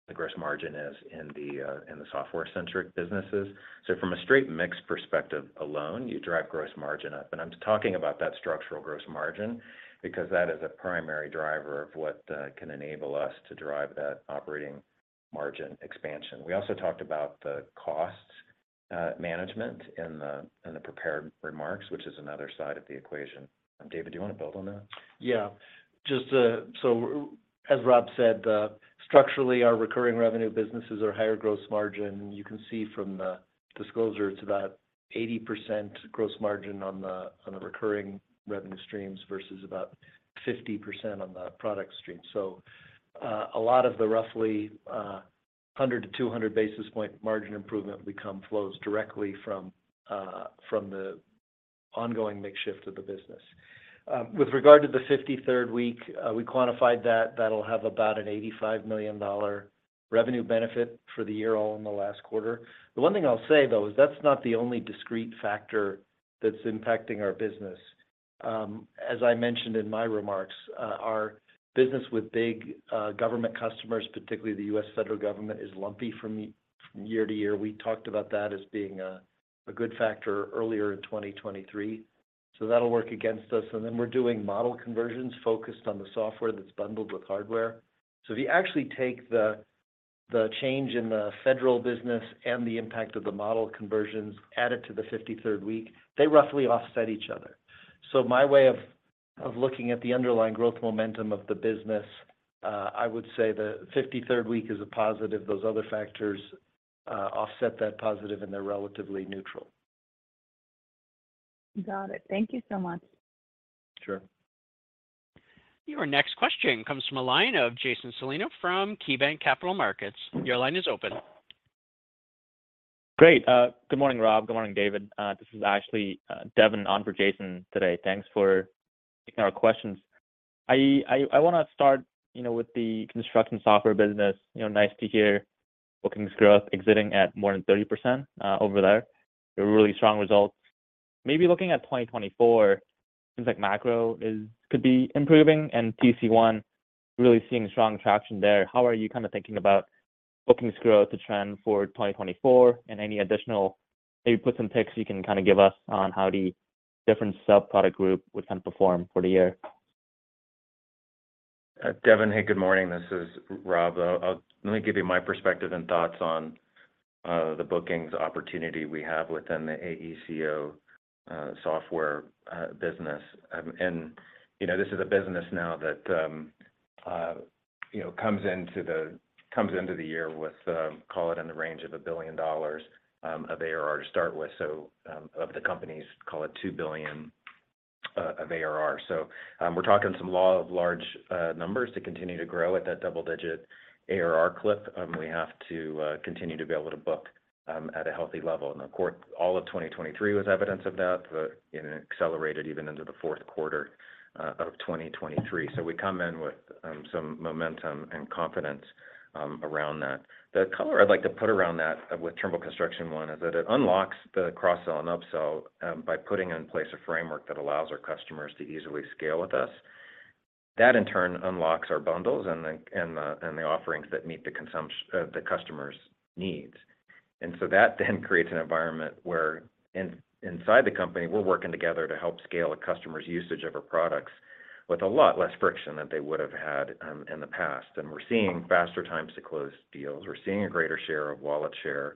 the gross margin is in the software-centric businesses. So from a straight mixed perspective alone, you drive gross margin up. I'm talking about that structural gross margin because that is a primary driver of what can enable us to drive that operating margin expansion. We also talked about the cost management in the prepared remarks, which is another side of the equation. David, do you want to build on that? Yeah. So as Rob said, structurally, our recurring revenue businesses are higher gross margin. You can see from the disclosure, it's about 80% gross margin on the recurring revenue streams versus about 50% on the product streams. So a lot of the roughly 100-200 basis points margin improvement becomes and flows directly from the ongoing makeup of the business. With regard to the 53rd week, we quantified that. That'll have about an $85 million revenue benefit for the year all in the last quarter. The one thing I'll say, though, is that's not the only discrete factor that's impacting our business. As I mentioned in my remarks, our business with big government customers, particularly the U.S. federal government, is lumpy from year to year. We talked about that as being a good factor earlier in 2023. So that'll work against us. And then we're doing model conversions focused on the software that's bundled with hardware. So if you actually take the change in the federal business and the impact of the model conversions added to the 53rd week, they roughly offset each other. So my way of looking at the underlying growth momentum of the business, I would say the 53rd week is a positive. Those other factors offset that positive, and they're relatively neutral. Got it. Thank you so much. Sure. Your next question comes from a line of Jason Celino from KeyBanc Capital Markets. Your line is open. Great. Good morning, Rob. Good morning, David. This is Ashley Devin on for Jason today. Thanks for taking our questions. I want to start with the construction software business. Nice to hear bookings growth exceeding more than 30% over there. They're really strong results. Maybe looking at 2024, it seems like macro could be improving and TC1 really seeing strong traction there. How are you kind of thinking about bookings growth trend for 2024 and any additional maybe puts and takes you can kind of give us on how the different subproduct group would kind of perform for the year? Devin, hey, good morning. This is Rob. Let me give you my perspective and thoughts on the bookings opportunity we have within the AECO software business. This is a business now that comes into the year with, call it, in the range of $1 billion of ARR to start with, so of the company's, call it, $2 billion of ARR. So we're talking some law of large numbers to continue to grow at that double-digit ARR clip. We have to continue to be able to book at a healthy level. And of course, all of 2023 was evidence of that. It accelerated even into the fourth quarter of 2023. So we come in with some momentum and confidence around that. The color I'd like to put around that with Trimble Construction One is that it unlocks the cross-sell and upsell by putting in place a framework that allows our customers to easily scale with us. That, in turn, unlocks our bundles and the offerings that meet the customer's needs. And so that then creates an environment where inside the company, we're working together to help scale a customer's usage of our products with a lot less friction than they would have had in the past. And we're seeing faster times to close deals. We're seeing a greater share of wallet share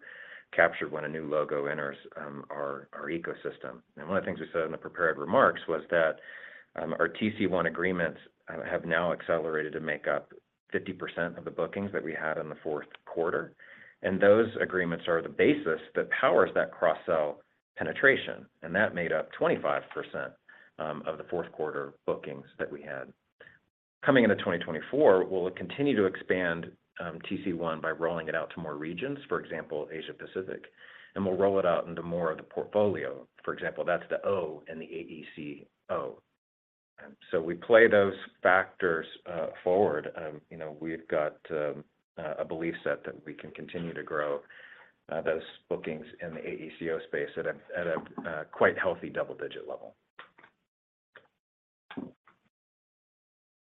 captured when a new logo enters our ecosystem. And one of the things we said in the prepared remarks was that our TC1 agreements have now accelerated to make up 50% of the bookings that we had in the fourth quarter. Those agreements are the basis that powers that cross-sell penetration. That made up 25% of the fourth quarter bookings that we had. Coming into 2024, we'll continue to expand TC1 by rolling it out to more regions, for example, Asia Pacific. We'll roll it out into more of the portfolio. For example, that's the O in the AECO. We play those factors forward. We've got a belief set that we can continue to grow those bookings in the AECO space at a quite healthy double-digit level.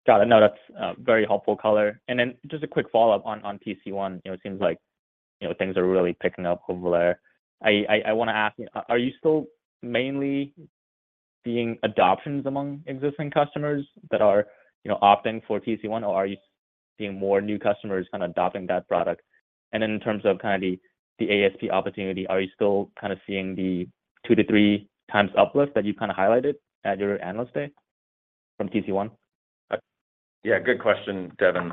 Got it. No, that's very helpful color. And then just a quick follow-up on TC1. It seems like things are really picking up over there. I want to ask, are you still mainly seeing adoptions among existing customers that are opting for TC1, or are you seeing more new customers kind of adopting that product? And then in terms of kind of the ASP opportunity, are you still kind of seeing the 2x-3x uplift that you kind of highlighted at your analyst day from TC1? Yeah, good question, Devin.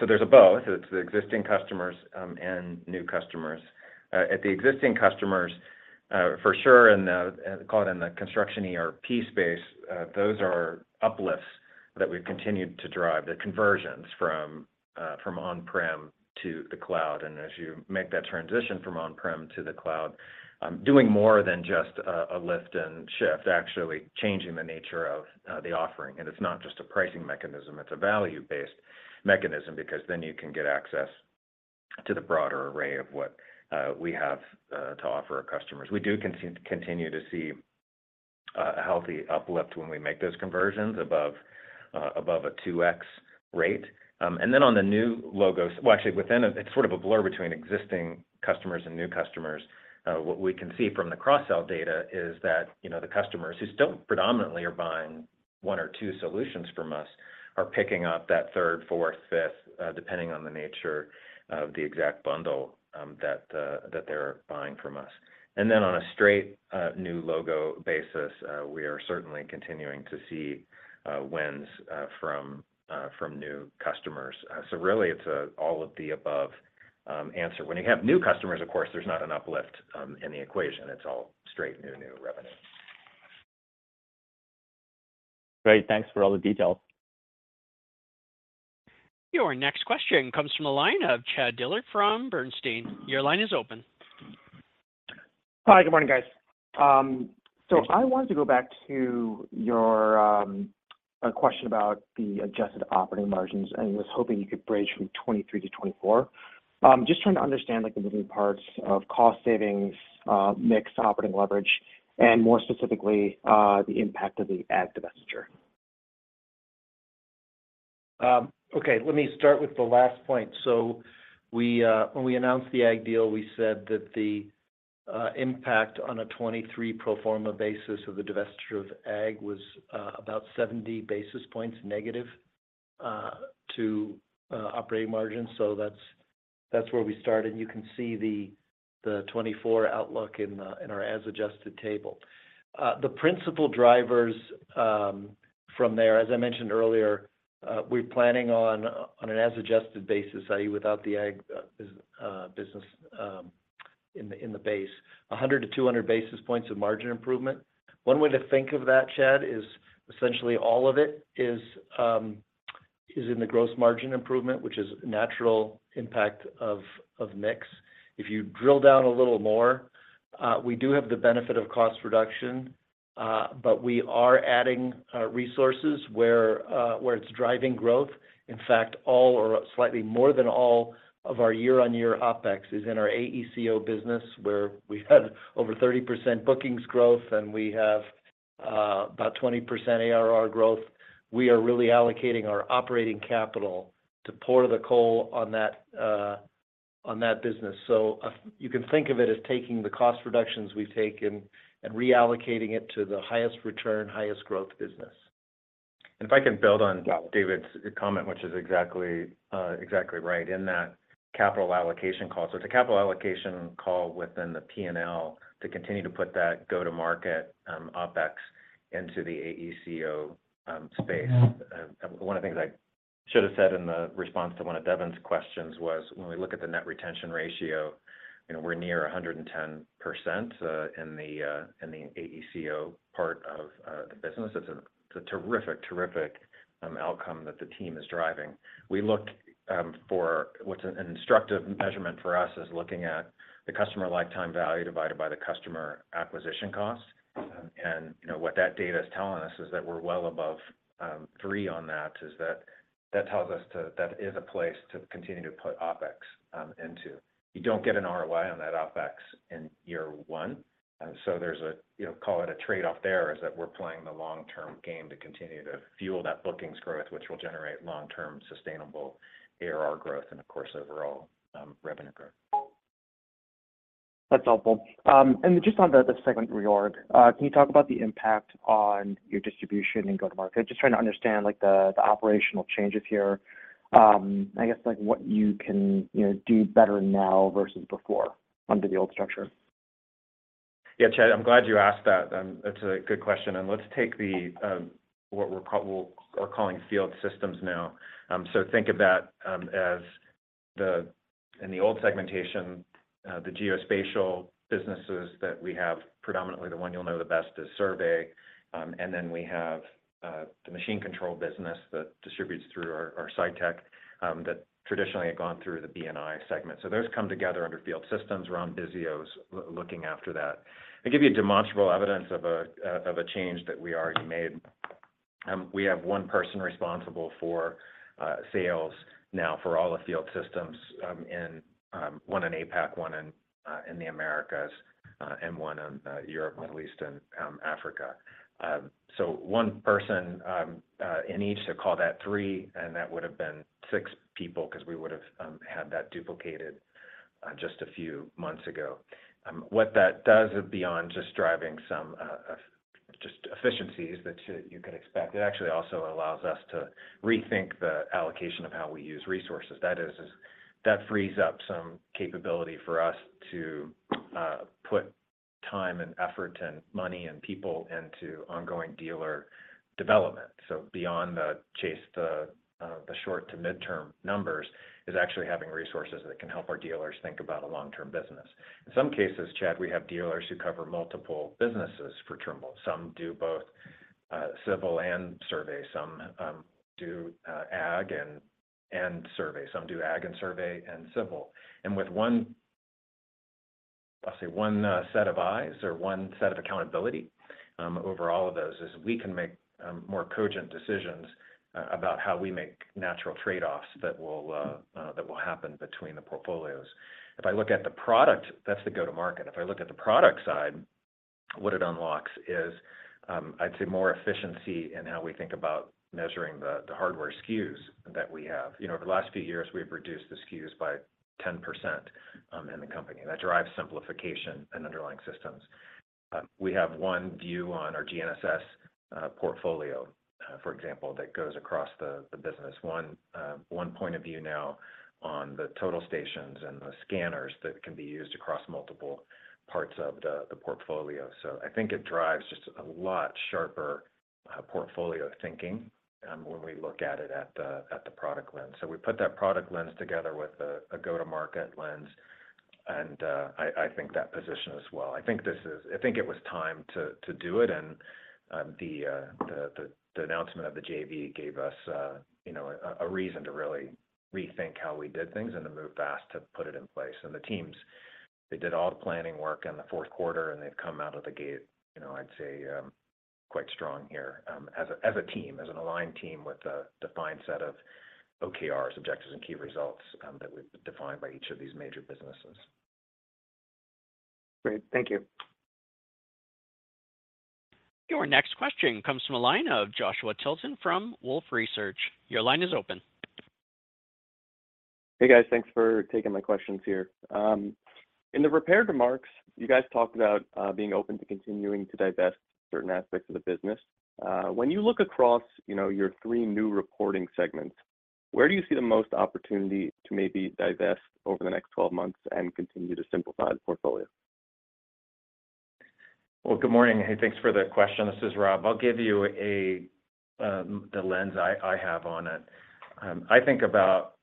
So there's a both. It's the existing customers and new customers. At the existing customers, for sure, call it in the construction ERP space, those are uplifts that we've continued to drive, the conversions from on-prem to the cloud. And as you make that transition from on-prem to the cloud, doing more than just a lift and shift, actually changing the nature of the offering. And it's not just a pricing mechanism. It's a value-based mechanism because then you can get access to the broader array of what we have to offer our customers. We do continue to see a healthy uplift when we make those conversions above a 2x rate. And then on the new logo well, actually, it's sort of a blur between existing customers and new customers. What we can see from the cross-sell data is that the customers who still predominantly are buying one or two solutions from us are picking up that third, fourth, fifth, depending on the nature of the exact bundle that they're buying from us. And then on a straight new logo basis, we are certainly continuing to see wins from new customers. So really, it's all of the above answer. When you have new customers, of course, there's not an uplift in the equation. It's all straight new, new revenue. Great. Thanks for all the details. Your next question comes from a line of Chad Dillard from Bernstein. Your line is open. Hi. Good morning, guys. So I wanted to go back to your question about the adjusted operating margins, and I was hoping you could bridge from 2023 to 2024. Just trying to understand the moving parts of cost savings, mixed operating leverage, and more specifically, the impact of the Ag divestiture. Okay. Let me start with the last point. So when we announced the Ag deal, we said that the impact on a 2023 pro forma basis of the divestiture of Ag was about 70 basis points negative to operating margins. So that's where we started. You can see the 2024 outlook in our as-adjusted table. The principal drivers from there, as I mentioned earlier, we're planning on an as-adjusted basis, i.e., without the Ag business in the base, 100-200 basis points of margin improvement. One way to think of that, Chad, is essentially all of it is in the gross margin improvement, which is a natural impact of mix. If you drill down a little more, we do have the benefit of cost reduction, but we are adding resources where it's driving growth. In fact, all or slightly more than all of our year-on-year OpEx is in our AECO business, where we had over 30% bookings growth, and we have about 20% ARR growth. We are really allocating our operating capital to pour the coal on that business. So you can think of it as taking the cost reductions we've taken and reallocating it to the highest return, highest growth business. And if I can build on David's comment, which is exactly right in that capital allocation call. So it's a capital allocation call within the P&L to continue to put that go-to-market OpEx into the AECO space. One of the things I should have said in the response to one of Devin's questions was when we look at the net retention ratio, we're near 110% in the AECO part of the business. It's a terrific, terrific outcome that the team is driving. We look for what's an instructive measurement for us is looking at the customer lifetime value divided by the customer acquisition cost. And what that data is telling us is that we're well above three on that. That tells us that that is a place to continue to put OpEx into. You don't get an ROI on that OpEx in year one. So, there's (call it) a trade-off there. That is, we're playing the long-term game to continue to fuel that bookings growth, which will generate long-term sustainable ARR growth and, of course, overall revenue growth. That's helpful. Just on the segment reorg, can you talk about the impact on your distribution and go-to-market? Just trying to understand the operational changes here. I guess what you can do better now versus before under the old structure. Yeah, Chad, I'm glad you asked that. That's a good question. And let's take what we're calling Field Systems now. So think of that as in the old segmentation, the Geospatial businesses that we have, predominantly the one you'll know the best is survey. And then we have the machine control business that distributes through our SITECH that traditionally had gone through the AECO segment. So those come together under Field Systems. Ron Bisio is looking after that. I'll give you demonstrable evidence of a change that we already made. We have one person responsible for sales now for all the Field Systems: one in APAC, one in the Americas, and one in Europe, Middle East, and Africa. So one person in each, so call that three, and that would have been six people because we would have had that duplicated just a few months ago. What that does beyond just driving some just efficiencies that you could expect, it actually also allows us to rethink the allocation of how we use resources. That frees up some capability for us to put time and effort and money and people into ongoing dealer development. So beyond the chase the short to mid-term numbers is actually having resources that can help our dealers think about a long-term business. In some cases, Chad, we have dealers who cover multiple businesses for Trimble. Some do both civil and survey. Some do Ag and survey. Some do Ag and survey and civil. And with one, I'll say, one set of eyes or one set of accountability over all of those is we can make more cogent decisions about how we make natural trade-offs that will happen between the portfolios. If I look at the product, that's the go-to-market. If I look at the product side, what it unlocks is, I'd say, more efficiency in how we think about measuring the hardware SKUs that we have. Over the last few years, we've reduced the SKUs by 10% in the company. That drives simplification in underlying systems. We have one view on our GNSS portfolio, for example, that goes across the business. One point of view now on the total stations and the scanners that can be used across multiple parts of the portfolio. So I think it drives just a lot sharper portfolio thinking when we look at it at the product lens. So we put that product lens together with a go-to-market lens. And I think that position as well. I think it was time to do it. And the announcement of the JV gave us a reason to really rethink how we did things and to move fast to put it in place. And the teams, they did all the planning work in the fourth quarter, and they've come out of the gate, I'd say, quite strong here as a team, as an aligned team with a defined set of OKRs, objectives, and key results that we've defined by each of these major businesses. Great. Thank you. Your next question comes from a line of Joshua Tilton from Wolfe Research. Your line is open. Hey, guys. Thanks for taking my questions here. In the prepared remarks, you guys talked about being open to continuing to divest certain aspects of the business. When you look across your three new reporting segments, where do you see the most opportunity to maybe divest over the next 12 months and continue to simplify the portfolio? Well, good morning. Hey, thanks for the question. This is Rob. I'll give you the lens I have on it. I think about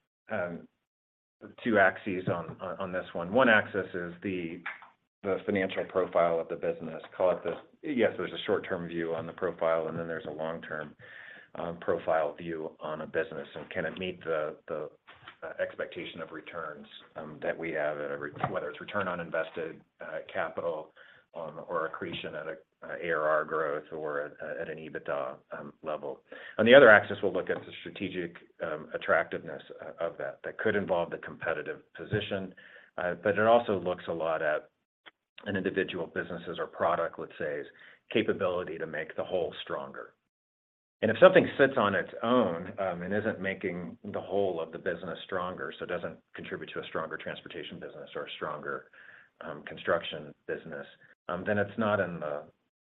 two axes on this one. One axis is the financial profile of the business. Call it the yes, there's a short-term view on the profile, and then there's a long-term profile view on a business. And can it meet the expectation of returns that we have, whether it's return on invested capital or accretion at an ARR growth or at an EBITDA level? On the other axis, we'll look at the strategic attractiveness of that. That could involve the competitive position. But it also looks a lot at an individual business's or product, let's say, 's capability to make the whole stronger. If something sits on its own and isn't making the whole of the business stronger, so doesn't contribute to a stronger Transportation business or a stronger construction business, then it's not in the,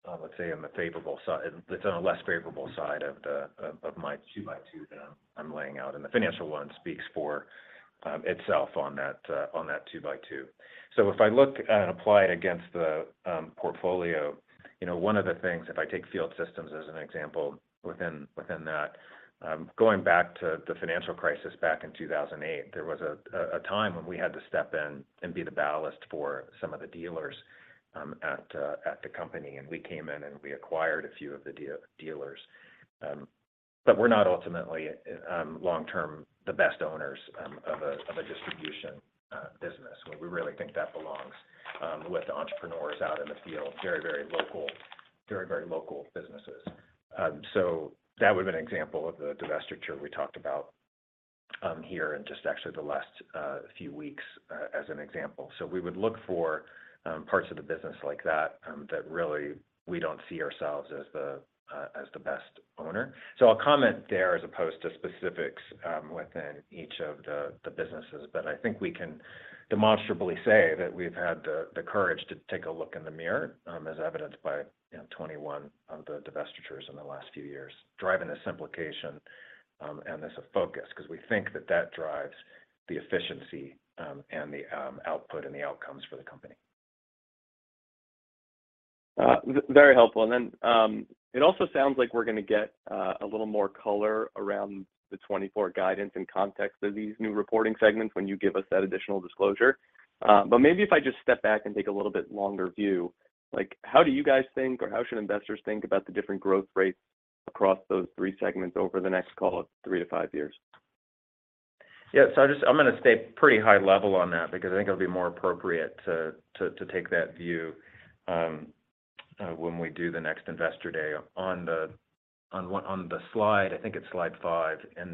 let's say, in the favorable side, it's on a less favorable side of my 2x2 that I'm laying out. The financial one speaks for itself on that 2x2. So if I look and apply it against the portfolio, one of the things, if I take Field Systems as an example within that, going back to the financial crisis back in 2008, there was a time when we had to step in and be the ballast for some of the dealers at the company. We came in and we acquired a few of the dealers. But we're not ultimately, long-term, the best owners of a distribution business. We really think that belongs with entrepreneurs out in the field, very, very local businesses. So that would be an example of the divestiture we talked about here and just actually the last few weeks as an example. So we would look for parts of the business like that that really we don't see ourselves as the best owner. So I'll comment there as opposed to specifics within each of the businesses. But I think we can demonstrably say that we've had the courage to take a look in the mirror as evidenced by 21 of the divestitures in the last few years, driving the simplification and this focus because we think that that drives the efficiency and the output and the outcomes for the company. Very helpful. And then it also sounds like we're going to get a little more color around the 2024 guidance and context of these new reporting segments when you give us that additional disclosure. But maybe if I just step back and take a little bit longer view, how do you guys think or how should investors think about the different growth rates across those three segments over the next, call it, three to five years? Yeah. So I'm going to stay pretty high-level on that because I think it'll be more appropriate to take that view when we do the next investor day. On the slide, I think it's slide five in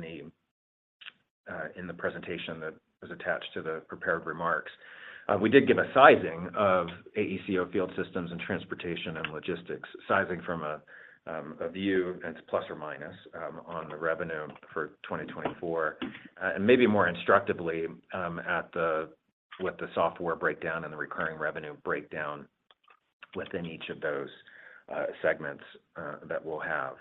the presentation that was attached to the prepared remarks, we did give a sizing of AECO. Field Systems and Transportation and Logistics, sizing from a view, and it's plus or minus, on the revenue for 2024. And maybe more instructively with the software breakdown and the recurring revenue breakdown within each of those segments that we'll have.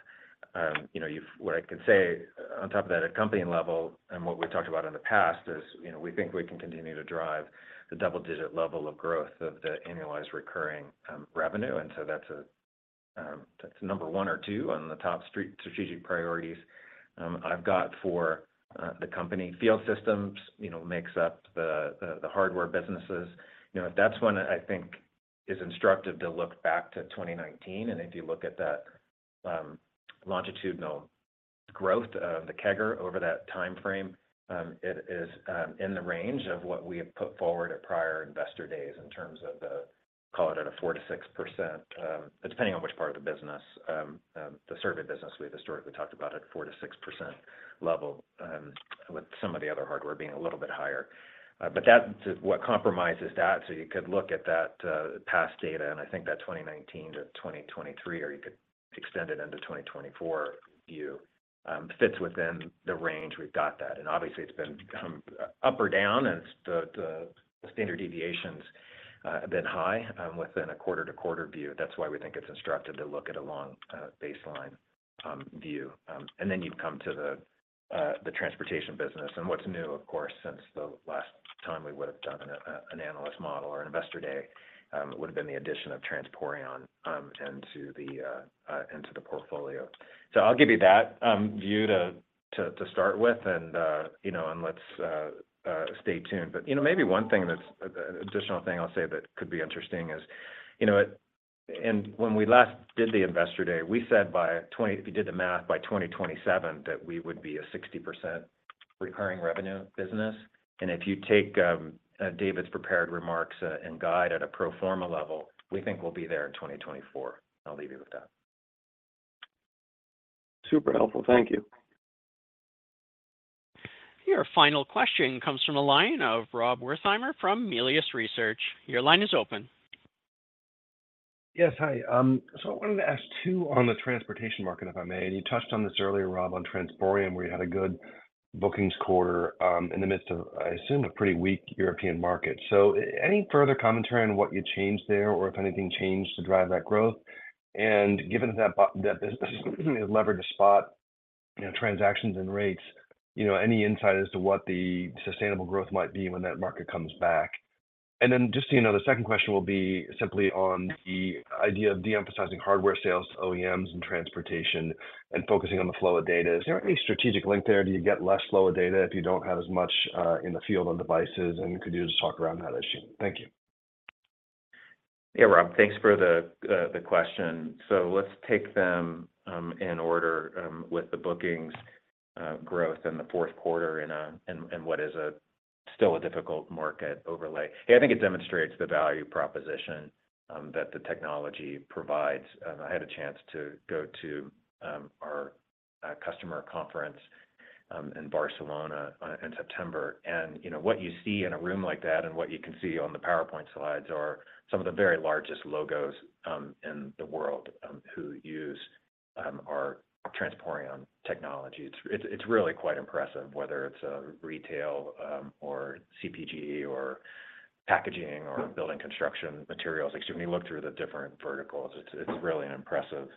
What I can say on top of that, at company level, and what we've talked about in the past is we think we can continue to drive the double-digit level of growth of the annualized recurring revenue. And so that's number one or two on the top strategic priorities I've got for the company. Field Systems make up the hardware businesses. If that's one that I think is instructive to look back to 2019, and if you look at that longitudinal growth, the CAGR over that time frame, it is in the range of what we have put forward at prior investor days in terms of the call it at a 4%-6%, depending on which part of the business, the survey business we've historically talked about at a 4%-6% level, with some of the other hardware being a little bit higher. But what compromises that? So you could look at that past data, and I think that 2019 to 2023, or you could extend it into 2024 view, fits within the range we've got that. And obviously, it's been up or down, and the standard deviations have been high within a quarter-to-quarter view. That's why we think it's instructive to look at a long baseline view. Then you've come to the Transportation business. What's new, of course, since the last time we would have done an analyst model or an investor day would have been the addition of Transporeon into the portfolio. So I'll give you that view to start with, and let's stay tuned. But maybe one thing that's an additional thing I'll say that could be interesting is, when we last did the investor day, we said by if you did the math, by 2027, that we would be a 60% recurring revenue business. And if you take David's prepared remarks and guide at a pro forma level, we think we'll be there in 2024. I'll leave you with that. Super helpful. Thank you. Your final question comes from a line of Rob Wertheimer from Melius Research. Your line is open. Yes. Hi. So I wanted to ask two on the transportation market, if I may. And you touched on this earlier, Rob, on Transporeon where you had a good bookings quarter in the midst of, I assume, a pretty weak European market. So any further commentary on what you changed there or if anything changed to drive that growth? And given that that business has leveraged to spot transactions and rates, any insight as to what the sustainable growth might be when that market comes back? And then just the second question will be simply on the idea of de-emphasizing hardware sales, OEMs, and transportation, and focusing on the flow of data. Is there any strategic link there? Do you get less flow of data if you don't have as much in the field on devices? And could you just talk around that issue? Thank you. Yeah, Rob. Thanks for the question. So let's take them in order with the bookings growth in the fourth quarter and what is still a difficult market overlay. Hey, I think it demonstrates the value proposition that the technology provides. I had a chance to go to our customer conference in Barcelona in September. And what you see in a room like that and what you can see on the PowerPoint slides are some of the very largest logos in the world who use our Transporeon technology. It's really quite impressive, whether it's retail or CPG or packaging or building construction materials. When you look through the different verticals, it's really an impressive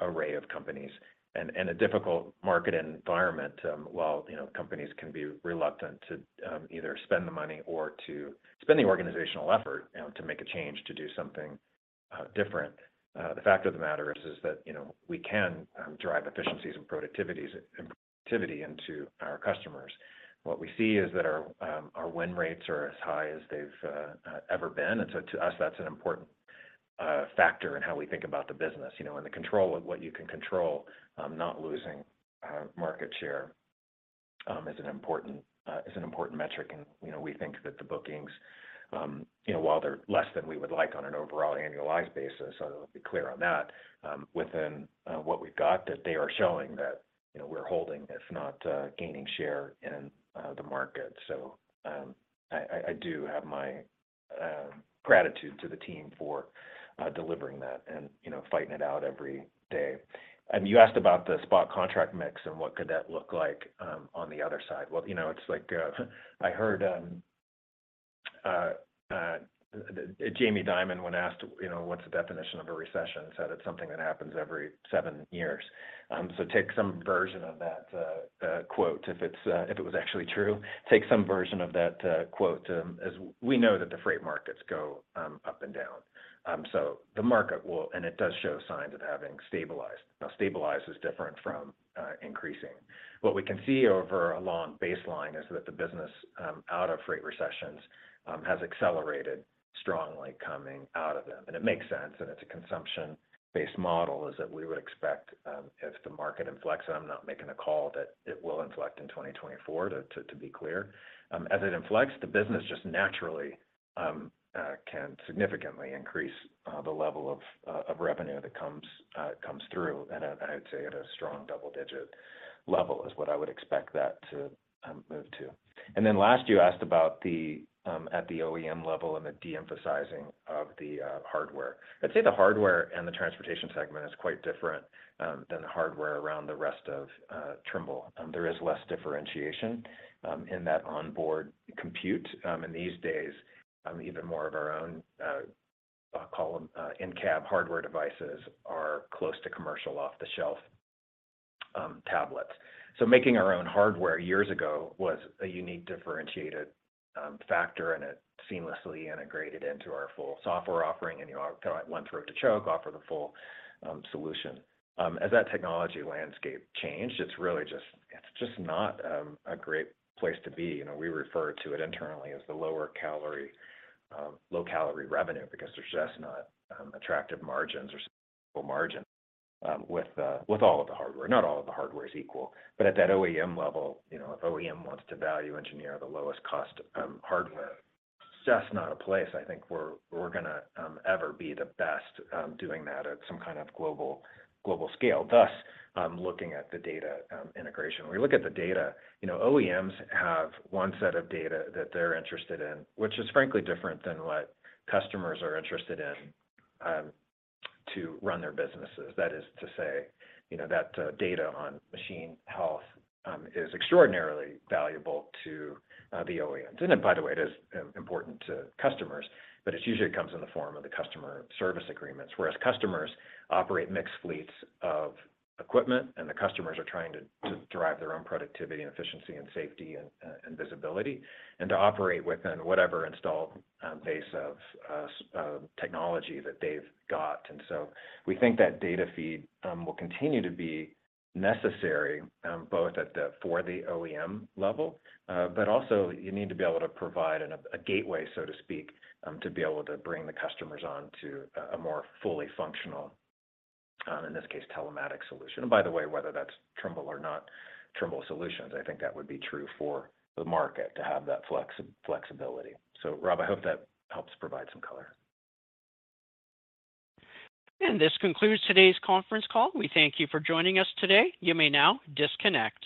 array of companies and a difficult market environment while companies can be reluctant to either spend the money or to spend the organizational effort to make a change to do something different. The fact of the matter is that we can drive efficiencies and productivity into our customers. What we see is that our win rates are as high as they've ever been. And so to us, that's an important factor in how we think about the business. And the control of what you can control, not losing market share, is an important metric. And we think that the bookings, while they're less than we would like on an overall annualized basis, I'll be clear on that, within what we've got, that they are showing that we're holding, if not gaining share in the market. So I do have my gratitude to the team for delivering that and fighting it out every day. And you asked about the spot contract mix and what could that look like on the other side. Well, it's like I heard Jamie Dimon when asked what's the definition of a recession, said it's something that happens every seven years. So take some version of that quote if it was actually true. Take some version of that quote. We know that the freight markets go up and down. So the market will, and it does show signs of having stabilized. Now, stabilize is different from increasing. What we can see over a long baseline is that the business out of freight recessions has accelerated strongly coming out of them. And it makes sense. And it's a consumption-based model is that we would expect if the market inflects, and I'm not making a call that it will inflect in 2024, to be clear. As it inflects, the business just naturally can significantly increase the level of revenue that comes through, and I would say at a strong double-digit level is what I would expect that to move to. And then last, you asked about the OEM level and the de-emphasizing of the hardware. I'd say the hardware and the Transportation segment is quite different than the hardware around the rest of Trimble. There is less differentiation in that onboard compute. And these days, even more of our own, I'll call them in-cab hardware devices, are close to commercial off-the-shelf tablets. So making our own hardware years ago was a unique differentiated factor, and it seamlessly integrated into our full software offering. And you want throat to choke, offer the full solution. As that technology landscape changed, it's really just not a great place to be. We refer to it internally as the lower-calorie, low-calorie revenue because there's just not attractive margins or margins with all of the hardware. Not all of the hardware is equal. But at that OEM level, if OEM wants to value engineer the lowest-cost hardware, it's just not a place, I think, where we're going to ever be the best doing that at some kind of global scale. Thus, looking at the data integration, when we look at the data, OEMs have one set of data that they're interested in, which is frankly different than what customers are interested in to run their businesses. That is to say, that data on machine health is extraordinarily valuable to the OEMs. And by the way, it is important to customers, but it usually comes in the form of the customer service agreements, whereas customers operate mixed fleets of equipment, and the customers are trying to drive their own productivity and efficiency and safety and visibility and to operate within whatever installed base of technology that they've got. And so we think that data feed will continue to be necessary both for the OEM level, but also you need to be able to provide a gateway, so to speak, to be able to bring the customers on to a more fully functional, in this case, telematics solution. And by the way, whether that's Trimble or not Trimble solutions, I think that would be true for the market to have that flexibility. So Rob, I hope that helps provide some color. This concludes today's conference call. We thank you for joining us today. You may now disconnect.